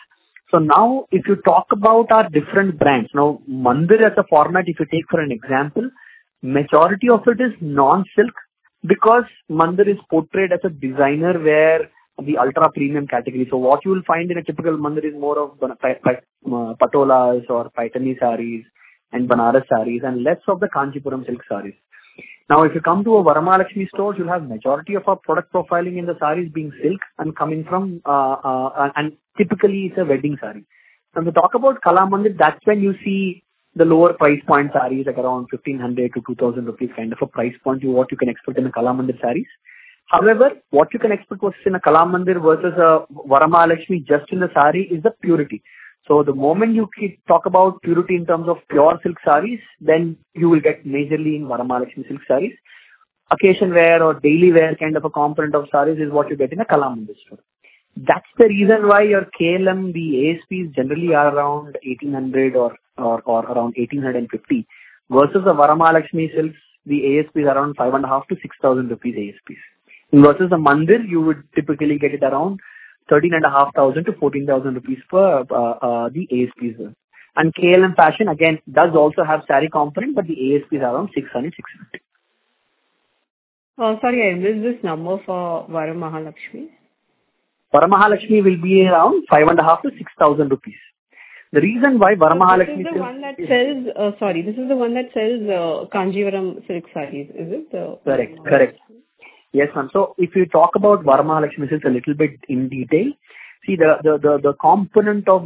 So now, if you talk about our different brands now, Mandir as a format, if you take for an example, majority of it is non-silk because Mandir is portrayed as a designer wear the ultra-premium category. So what you will find in a typical Mandir is more of Patola or Paithani sarees and Banarasi sarees and less of the Kanchipuram silk sarees. Now, if you come to a Varamahalakshmi store, you'll have the majority of our product profiling in the sarees being silk and coming from and typically, it's a wedding saree. And we talk about Kalamandir, that's when you see the lower price point sarees, around 1,500-2,000 rupees kind of a price point what you can expect in the Kalamandir sarees. However, what you can expect in a Kalamandir versus a Varamahalakshmi just in the saree is the purity. So the moment you talk about purity in terms of pure silk sarees, then you will get majorly in Varamahalakshmi Silks sarees. Occasion-wear or daily-wear kind of a component of sarees is what you get in a Kalamandir store. That's the reason why your KLM, the ASPs, generally are around 1,800 or around 1,850 versus the Varamahalakshmi Silks, the ASPs are around 5,500-6,000 rupees ASPs. Versus the Mandir, you would typically get it around 13,500-14,000 rupees for the ASPs there. And KLM Fashion, again, does also have saree component, but the ASPs are around 600-650. Sorry, I missed this number for Varamahalakshmi. Varamahalakshmi will be around 5,500-6,000 rupees. The reason why Varamahalakshmi Silks. This is the one that sells sorry, this is the one that sells Kanchipuram silk sarees, is it? Correct. Correct. Yes, ma'am. So if you talk about Varamahalakshmi Silks a little bit in detail, see, the component of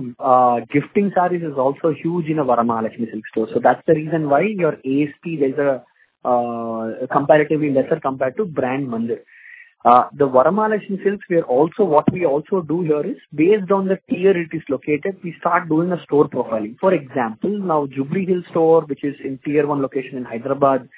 gifting sarees is also huge in a Varamahalakshmi Silks store. So that's the reason why your ASP, there's a comparatively lesser compared to brand Mandir. The Varamahalakshmi Silks we are also what we also do here is based on the tier it is located, we start doing a store profiling. For example, now, Jubilee Hills store, which is in tier one location in Hyderabad,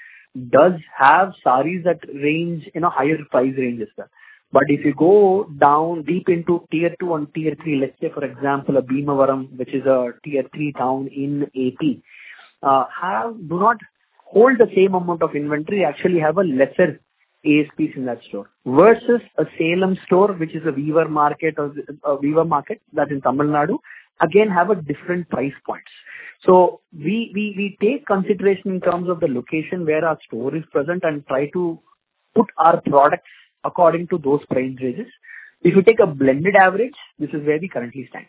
does have sarees that range in a higher price range as well. But if you go down deep into tier two and tier three, let's say, for example, a Bhimavaram, which is a tier three town in AP, do not hold the same amount of inventory, actually have a lesser ASPs in that store versus a Salem store, which is a weaver market that's in Tamil Nadu, again, have different price points. So we take consideration in terms of the location where our store is present and try to put our products according to those price ranges. If you take a blended average, this is where we currently stand.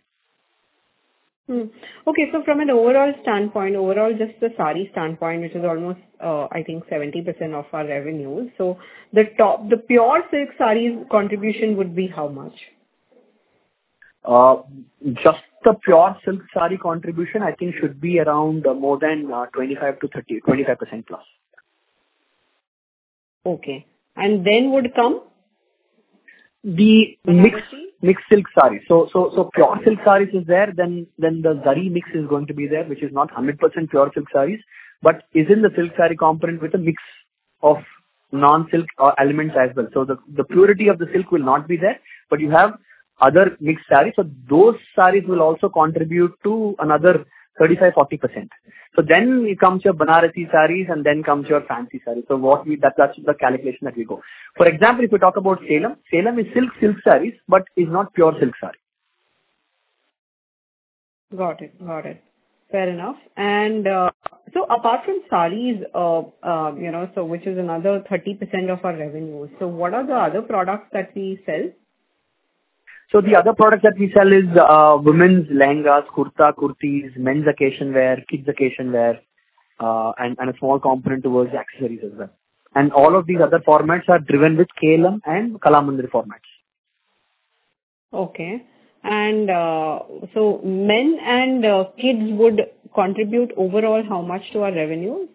Okay. So from an overall standpoint, overall, just the saree standpoint, which is almost, I think, 70% of our revenues, so the pure silk saree contribution would be how much? Just the pure silk saree contribution, I think, should be around more than 25%-30%, 25%+. Okay. Then would come the ASP? The mixed silk sarees. So pure silk sarees is there. Then the zari mix is going to be there, which is not 100% pure silk sarees but is in the silk saree component with a mix of non-silk elements as well. So the purity of the silk will not be there, but you have other mixed sarees. So those sarees will also contribute to another 35%-40%. So then comes your Banarasi sarees, and then comes your fancy sarees. So that's the calculation that we go. For example, if we talk about Salem, Salem is silk silk sarees but is not pure silk saree. Got it. Got it. Fair enough. So apart from sarees, which is another 30% of our revenues, what are the other products that we sell? The other product that we sell is women's lehengas, kurta, kurtis, men's occasion-wear, kids' occasion-wear, and a small component towards accessories as well. All of these other formats are driven with KLM and Kalamandir formats. Okay. And so men and kids would contribute overall how much to our revenues?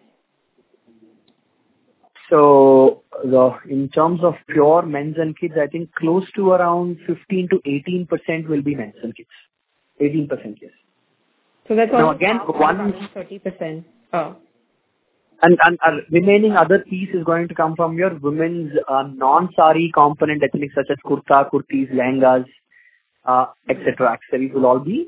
In terms of pure men's and kids, I think close to around 15%-18% will be men's and kids. 18%, yes. That's only about 30%. The remaining other piece is going to come from your women's non-saree component, I think, such as Kurta, kurtis, lehengas, etc. It will all be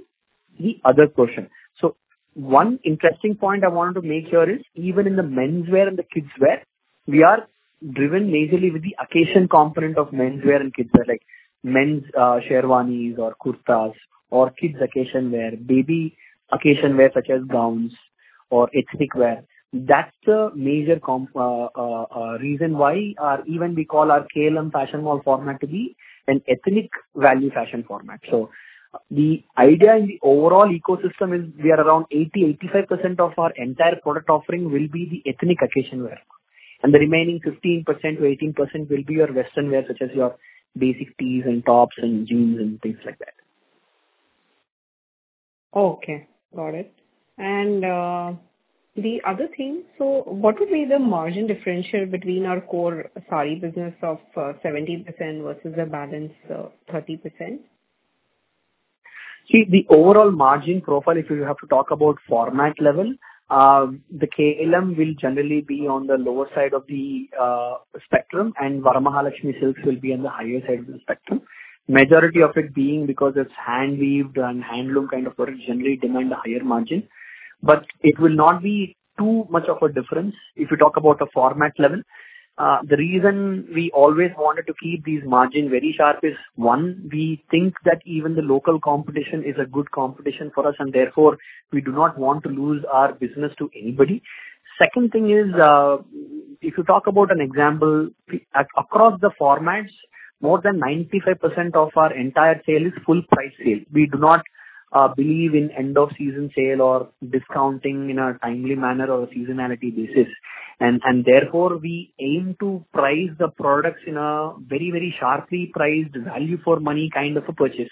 the other portion. So one interesting point I wanted to make here is even in the menswear and the kidswear, we are driven majorly with the occasion component of menswear and kidswear, like men's Sherwanis or kurtas or kids' occasion-wear, baby occasion-wear such as gowns or ethnic wear. That's the major reason why even we call our KLM Fashion Mall format to be an ethnic-value fashion format. So the idea in the overall ecosystem is we are around 80%-85% of our entire product offering will be the ethnic occasion-wear. And the remaining 15%-18% will be your western wear such as your basic tees and tops and jeans and things like that. Okay. Got it. The other thing, so what would be the margin differential between our core saree business of 70% versus the balanced 30%? See, the overall margin profile, if you have to talk about format level, the KLM will generally be on the lower side of the spectrum, and Varamahalakshmi Silks will be on the higher side of the spectrum, majority of it being because it's handweaved and handloom kind of products generally demand a higher margin. But it will not be too much of a difference if you talk about the format level. The reason we always wanted to keep this margin very sharp is, one, we think that even the local competition is a good competition for us, and therefore, we do not want to lose our business to anybody. Second thing is, if you talk about an example, across the formats, more than 95% of our entire sale is full-price sale. We do not believe in end-of-season sale or discounting in a timely manner or a seasonality basis. Therefore, we aim to price the products in a very, very sharply priced value-for-money kind of a purchase.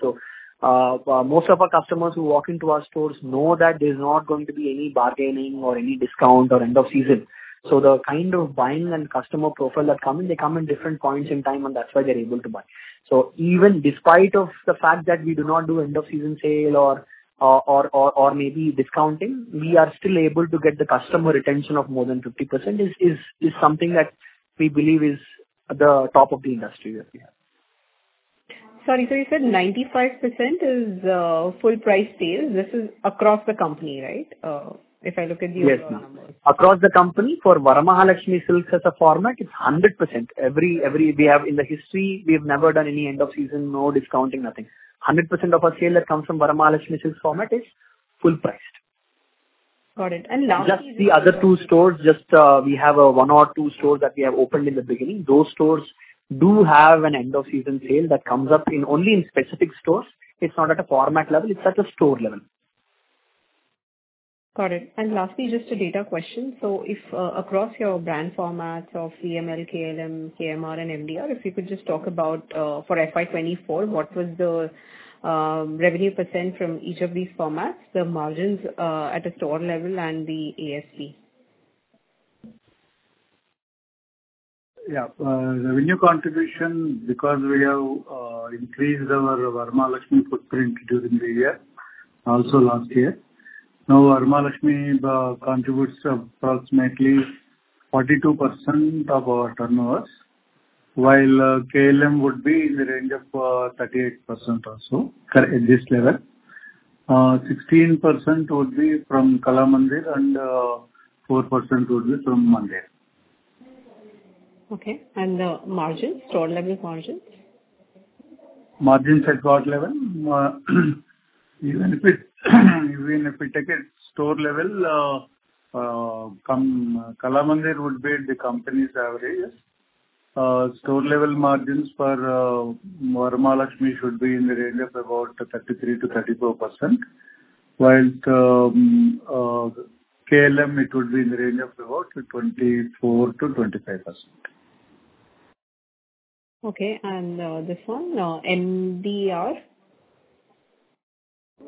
Most of our customers who walk into our stores know that there's not going to be any bargaining or any discount or end-of-season. The kind of buying and customer profile that come in, they come in different points in time, and that's why they're able to buy. Even despite the fact that we do not do end-of-season sale or maybe discounting, we are still able to get the customer retention of more than 50%, is something that we believe is the top of the industry that we have. Sorry. So you said 95% is full-price sale. This is across the company, right, if I look at the overall numbers? Yes, ma'am. Across the company, for Varamahalakshmi Silks as a format, it's 100%. In the history, we have never done any end-of-season, no discounting, nothing. 100% of our sale that comes from Varamahalakshmi Silks format is full-priced. Got it. And lastly. Just the other two stores. Just, we have one or two stores that we have opened in the beginning. Those stores do have an end-of-season sale that comes up only in specific stores. It's not at a format level. It's at a store level. Got it. And lastly, just a data question. So across your brand formats of KML, KLM, KMR, and MDR, if you could just talk about for FY 2024, what was the revenue % from each of these formats, the margins at a store level and the ASP? Yeah. Revenue contribution, because we have increased our Varamahalakshmi footprint during the year, also last year, now, Varamahalakshmi contributes approximately 42% of our turnovers, while KLM would be in the range of 38% also at this level. 16% would be from Kalamandir, and 4% would be from Mandir. Okay. And the margins, store-level margins? Margins at store level, even if we take it store level, Kalamandir would be at the company's average. Store-level margins for Varamahalakshmi should be in the range of about 33%-34%, while KLM, it would be in the range of about 24%-25%. Okay. And this one, Mandir,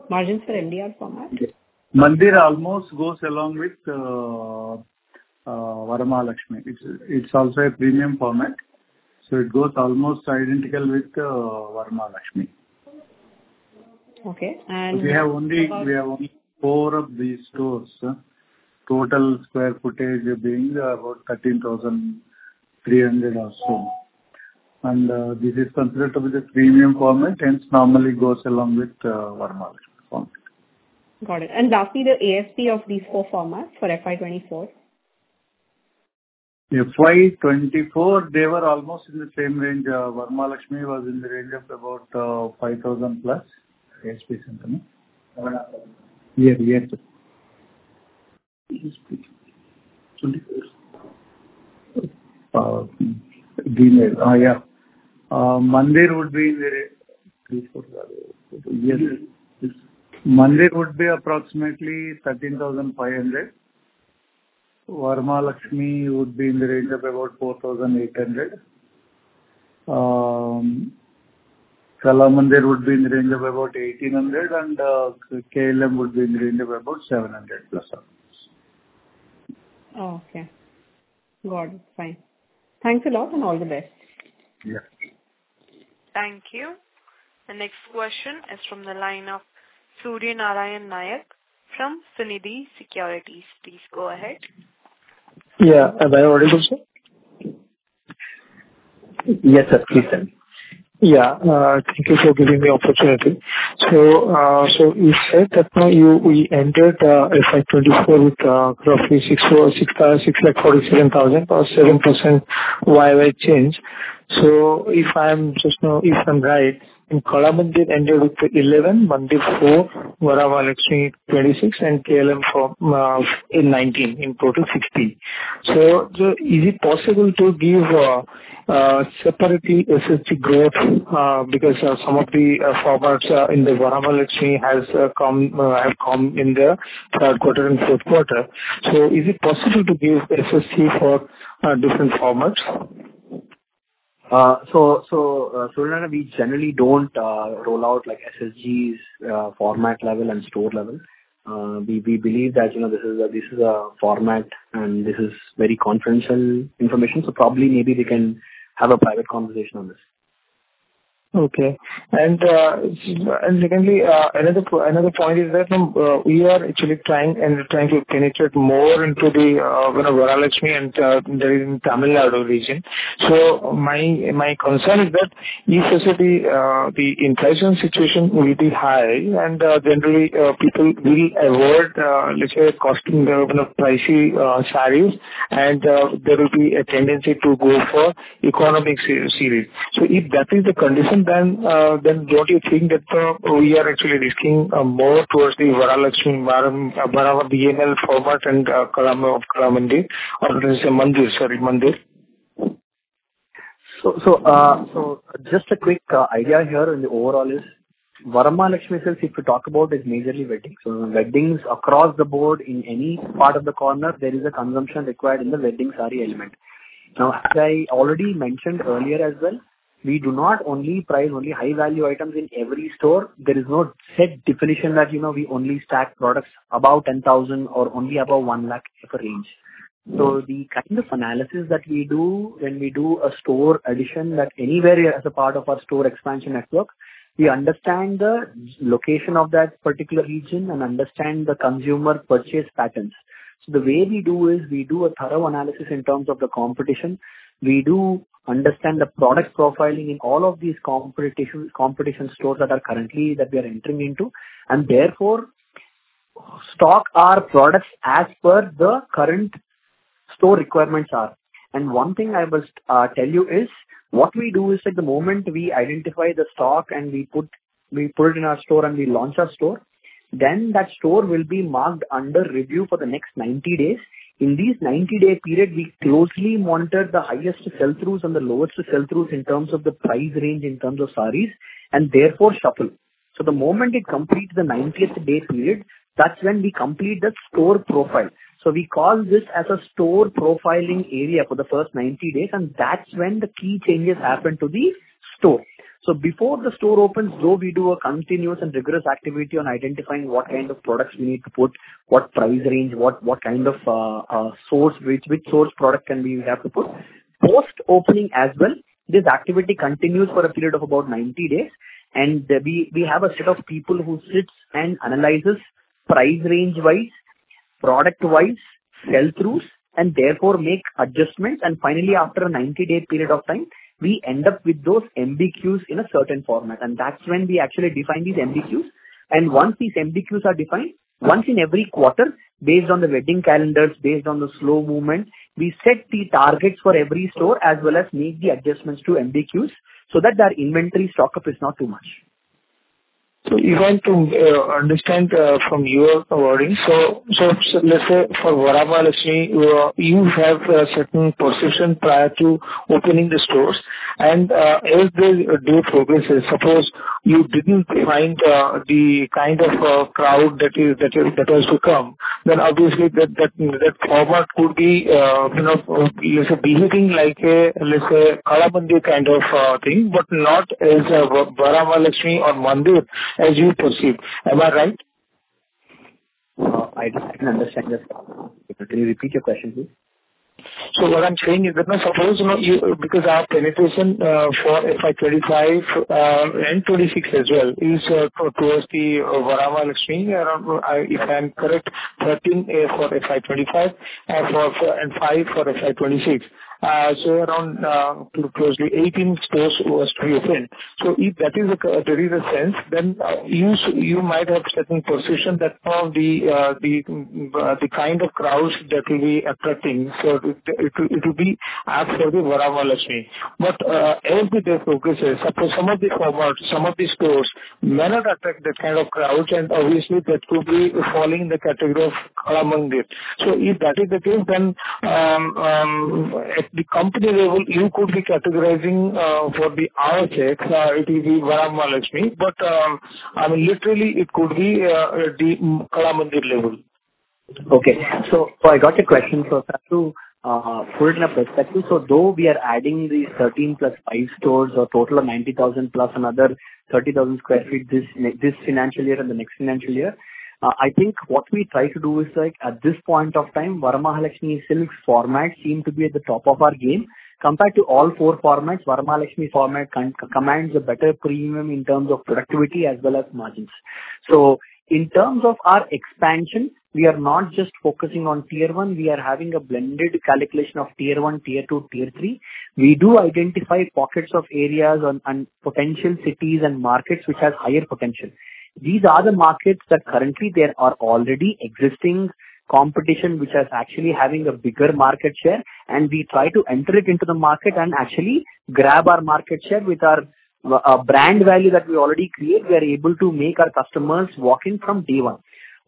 margins for Mandir format? Mandir almost goes along with Varamahalakshmi. It's also a premium format. So it goes almost identical with Varamahalakshmi. Okay. And. We have only four of these stores, total sq ft being about 13,300 or so. This is considered to be the premium format, hence normally goes along with Varamahalakshmi format. Got it. Lastly, the ASP of these four formats for FY 2024? 2024, they were almost in the same range. Varamahalakshmi was in the range of about INR 5,000+. ASPs incoming. Yeah. Yeah. Gmail. Yeah. Mandir would be in the yes. Mandir would be approximately 13,500. Varamahalakshmi would be in the range of about 4,800. Kalamandir would be in the range of about 1,800, and KLM would be in the range of about 700+. Okay. Got it. Fine. Thanks a lot, and all the best. Yes. Thank you. The next question is from the line of Surya Narayan Nayak from Sunidhi Securities. Please go ahead. Yeah. Am I audible, sir? Yes, sir. Please tell me. Yeah. Thank you for giving me the opportunity. So you said that now we entered FY 2024 with roughly 647,000. Or 7% YY change. So if I'm just, you know, if I'm right, Kalamandir entered with 11, Mandir 4, Varamahalakshmi 26, and KLM 19 in total, 60. So is it possible to give separately SSG growth because some of the formats in the Varamahalakshmi have come in the third quarter and fourth quarter? So is it possible to give SSG for different formats? So, Surya Narayan, we generally don't roll out SSG format level and store level. We believe that this is a format, and this is very confidential information. So probably, maybe we can have a private conversation on this. Okay. And secondly, another point is that we are actually trying and trying to penetrate more into the Varamahalakshmi and Tamil Nadu region. So my concern is that if the inflation situation will be high, and generally, people will avoid, let's say, costing their pricey sarees, and there will be a tendency to go for economic sarees. So if that is the condition, then don't you think that we are actually risking more towards the Varamahalakshmi format and Kalamandir or, let's say, Mandir? Sorry, Mandir. So just a quick idea here in the overall is Varamahalakshmi Silks, if we talk about, is majorly wedding. So weddings across the board, in any part of the corner, there is a consumption required in the wedding saree element. Now, as I already mentioned earlier as well, we do not only price only high-value items in every store. There is no set definition that we only stack products above 10,000 or only above 1,000 for range. So the kind of analysis that we do when we do a store addition that anywhere as a part of our store expansion network, we understand the location of that particular region and understand the consumer purchase patterns. So the way we do is we do a thorough analysis in terms of the competition. We do understand the product profiling in all of these competition stores that we are entering into, and therefore, stock our products as per the current store requirements are. One thing I will tell you is what we do is at the moment we identify the stock, and we put it in our store, and we launch our store, then that store will be marked under review for the next 90 days. In this 90-day period, we closely monitor the highest sell-throughs and the lowest sell-throughs in terms of the price range in terms of sarees and therefore shuffle. The moment it completes the 90th-day period, that's when we complete the store profile. We call this as a store profiling area for the first 90 days, and that's when the key changes happen to the store. So before the store opens, though, we do a continuous and rigorous activity on identifying what kind of products we need to put, what price range, what kind of source, which source product can we have to put. Post-opening as well, this activity continues for a period of about 90 days, and we have a set of people who sits and analyzes price range-wise, product-wise, sell-throughs, and therefore make adjustments. And finally, after a 90-day period of time, we end up with those MBQs in a certain format. And that's when we actually define these MBQs. And once these MBQs are defined, once in every quarter, based on the wedding calendars, based on the slow movement, we set the targets for every store as well as make the adjustments to MBQs so that our inventory stockup is not too much. So if I'm to understand from your wording, so let's say for Varamahalakshmi, you have a certain perception prior to opening the stores. As they do progress, suppose you didn't find the kind of crowd that has to come, then obviously, that format could be, let's say, behaving like a, let's say, Kalamandir kind of thing but not as Varamahalakshmi or Mandir as you perceive. Am I right? I didn't understand your question. Can you repeat your question, please? So what I'm saying is that now, suppose because our penetration for FY 2025 and FY 2026 as well is towards the Varamahalakshmi, if I'm correct, 13 for FY 2025 and 5 for FY 2026, so around closely 18 stores was to be opened. So if that is the sense, then you might have certain perception that now the kind of crowds that will be attracting for it will be as for the Varamahalakshmi. But as the day progresses, suppose some of the formats, some of the stores may not attract that kind of crowds, and obviously, that could be falling in the category of Kalamandir. So if that is the case, then at the company level, you could be categorizing for the optics, it will be Varamahalakshmi. But I mean, literally, it could be the Kalamandir level. Okay. So I got your question. So if I have to put it in a perspective, so though we are adding these 13 + 5 stores or total of 90,000 + another 30,000 sq ft this financial year and the next financial year, I think what we try to do is at this point of time, Varamahalakshmi Silks format seem to be at the top of our game. Compared to all four Varamahalakshmi Silks format commands a better premium in terms of productivity as well as margins. So in terms of our expansion, we are not just focusing on Tier 1. We are having a blended calculation of Tier 1, Tier 2, Tier 3. We do identify pockets of areas and potential cities and markets which have higher potential. These are the markets that currently, there are already existing competition which is actually having a bigger market share, and we try to enter it into the market and actually grab our market share with our brand value that we already create. We are able to make our customers walk in from day one.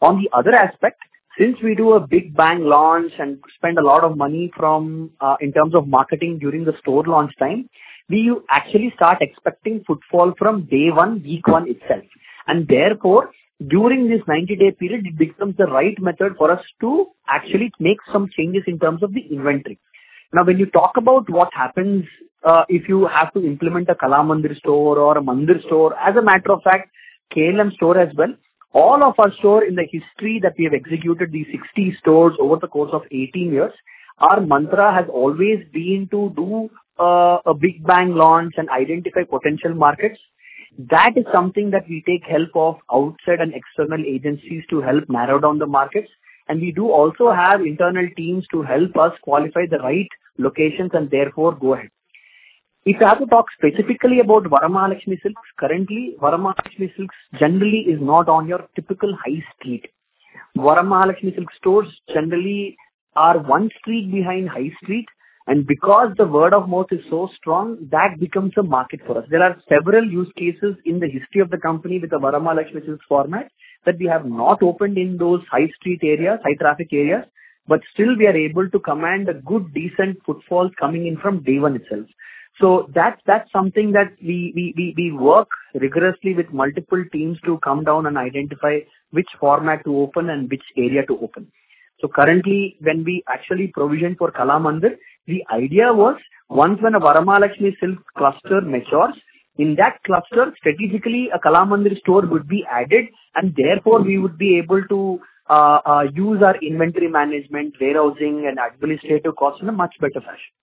On the other aspect, since we do a big bang launch and spend a lot of money in terms of marketing during the store launch time, we actually start expecting footfall from day one, week one itself. Therefore, during this 90-day period, it becomes the right method for us to actually make some changes in terms of the inventory. Now, when you talk about what happens if you have to implement a Kalamandir store or a Mandir store, as a matter of fact, KLM store as well, all of our store in the history that we have executed these 60 stores over the course of 18 years, our mantra has always been to do a big bang launch and identify potential markets. That is something that we take help of outside and external agencies to help narrow down the markets. And we do also have internal teams to help us qualify the right locations and therefore go ahead. If I have to talk specifically about Varamahalakshmi Silks, currently, Varamahalakshmi Silks generally is not on your typical high street. Varamahalakshmi Silks stores generally are one street behind high street. And because the word of mouth is so strong, that becomes a market for us. There are several use cases in the history of the company with the Varamahalakshmi Silks format that we have not opened in those high street areas, high traffic areas, but still, we are able to command a good, decent footfall coming in from day one itself. So that's something that we work rigorously with multiple teams to come down and identify which format to open and which area to open. So currently, when we actually provisioned for Kalamandir, the idea was once when a Varamahalakshmi Silks cluster matures, in that cluster, strategically, a Kalamandir store would be added, and therefore, we would be able to use our inventory management, warehousing, and administrative costs in a much better fashion.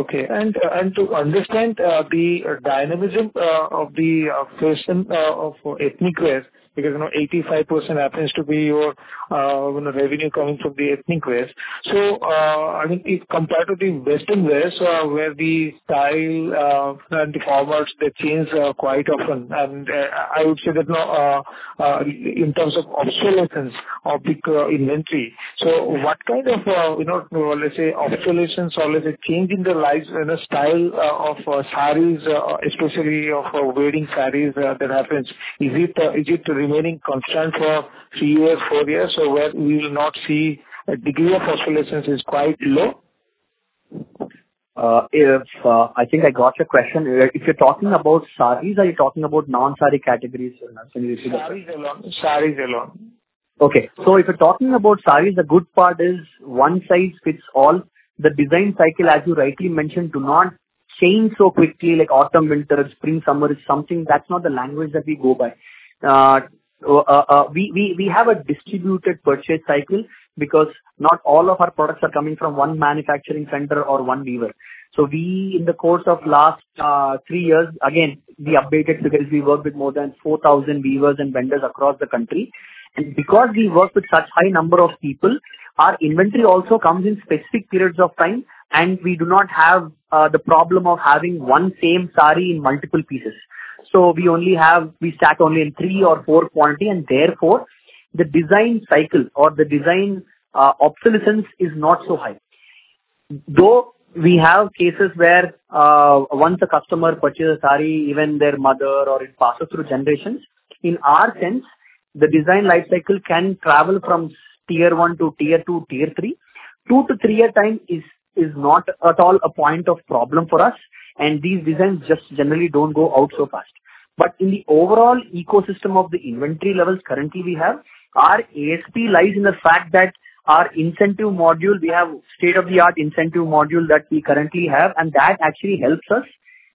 Okay. And to understand the dynamism of the question of ethnic wear because 85% happens to be your revenue coming from the ethnic wears. So I mean, if compared to the Western wears where the style and the formats, they change quite often, and I would say that now in terms of obsolescence of the inventory, so what kind of, let's say, obsolescence or, let's say, change in the lives and the style of sarees, especially of wedding sarees that happens, is it remaining constant for three years, four years, or where we will not see a degree of obsolescence is quite low? I think I got your question. If you're talking about sarees, are you talking about non-saree categories? Sarees alone. Sarees alone. Okay. So if you're talking about sarees, the good part is one size fits all. The design cycle, as you rightly mentioned, does not change so quickly, like autumn, winter, spring, summer is something that's not the language that we go by. We have a distributed purchase cycle because not all of our products are coming from one manufacturing center or one weaver. So we, in the course of last three years, again, we updated because we work with more than 4,000 weavers and vendors across the country. And because we work with such a high number of people, our inventory also comes in specific periods of time, and we do not have the problem of having one same saree in multiple pieces. So we stack only in three or four quantity, and therefore, the design cycle or the design obsolescence is not so high. Though we have cases where once a customer purchases a saree, even their mother or it passes through generations, in our sense, the design lifecycle can travel from Tier 1 to Tier 2, Tier 3. 2-3 year time is not at all a point of problem for us, and these designs just generally don't go out so fast. But in the overall ecosystem of the inventory levels currently we have, our ASP lies in the fact that our incentive module, we have state-of-the-art incentive module that we currently have, and that actually helps us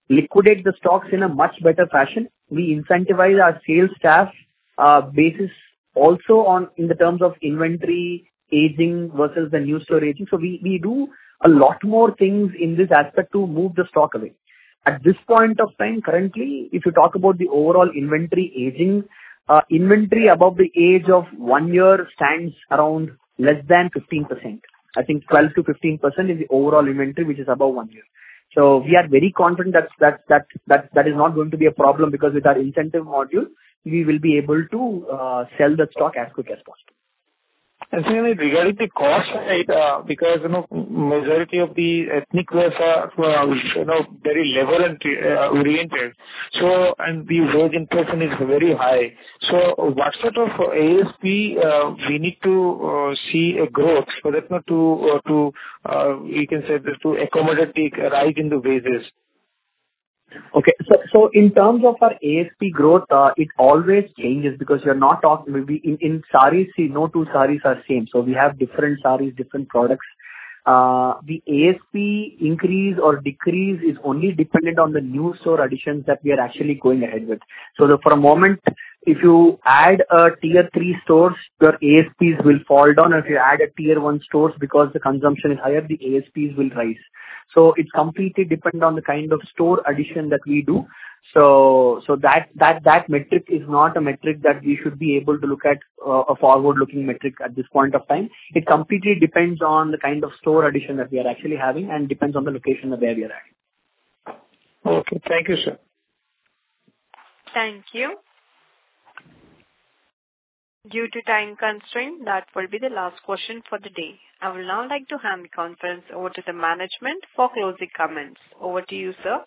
liquidate the stocks in a much better fashion. We incentivize our sales staff basis also in terms of inventory aging versus the new store aging. So we do a lot more things in this aspect to move the stock away. At this point of time, currently, if you talk about the overall inventory aging, inventory above the age of one year stands around less than 15%. I think 12%-15% is the overall inventory which is above one year. So we are very confident that that is not going to be a problem because with our incentive module, we will be able to sell the stock as quick as possible. And finally, regarding the cost because majority of the ethnic wears are very labor-oriented, and the wage inflation is very high. So what sort of ASP we need to see a growth so that we can say to accommodate the rise in the wages? Okay. So in terms of our ASP growth, it always changes because you're not talking maybe in sarees, no two sarees are same. So we have different sarees, different products. The ASP increase or decrease is only dependent on the new store additions that we are actually going ahead with. So for a moment, if you add tier three stores, your ASPs will fall down. If you add tier one stores because the consumption is higher, the ASPs will rise. So it's completely dependent on the kind of store addition that we do. So that metric is not a metric that we should be able to look at, a forward-looking metric at this point of time. It completely depends on the kind of store addition that we are actually having and depends on the location and where we are at. Okay. Thank you, sir. Thank you. Due to time constraints, that will be the last question for the day. I would now like to hand the conference over to the management for closing comments. Over to you, sir.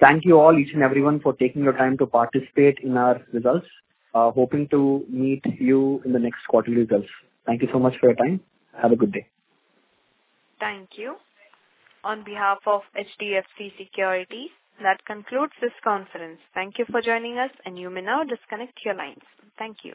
Thank you all, each and everyone, for taking your time to participate in our results. Hoping to meet you in the next quarterly results. Thank you so much for your time. Have a good day. Thank you. On behalf of HDFC Securities, that concludes this conference. Thank you for joining us, and you may now disconnect your lines. Thank you.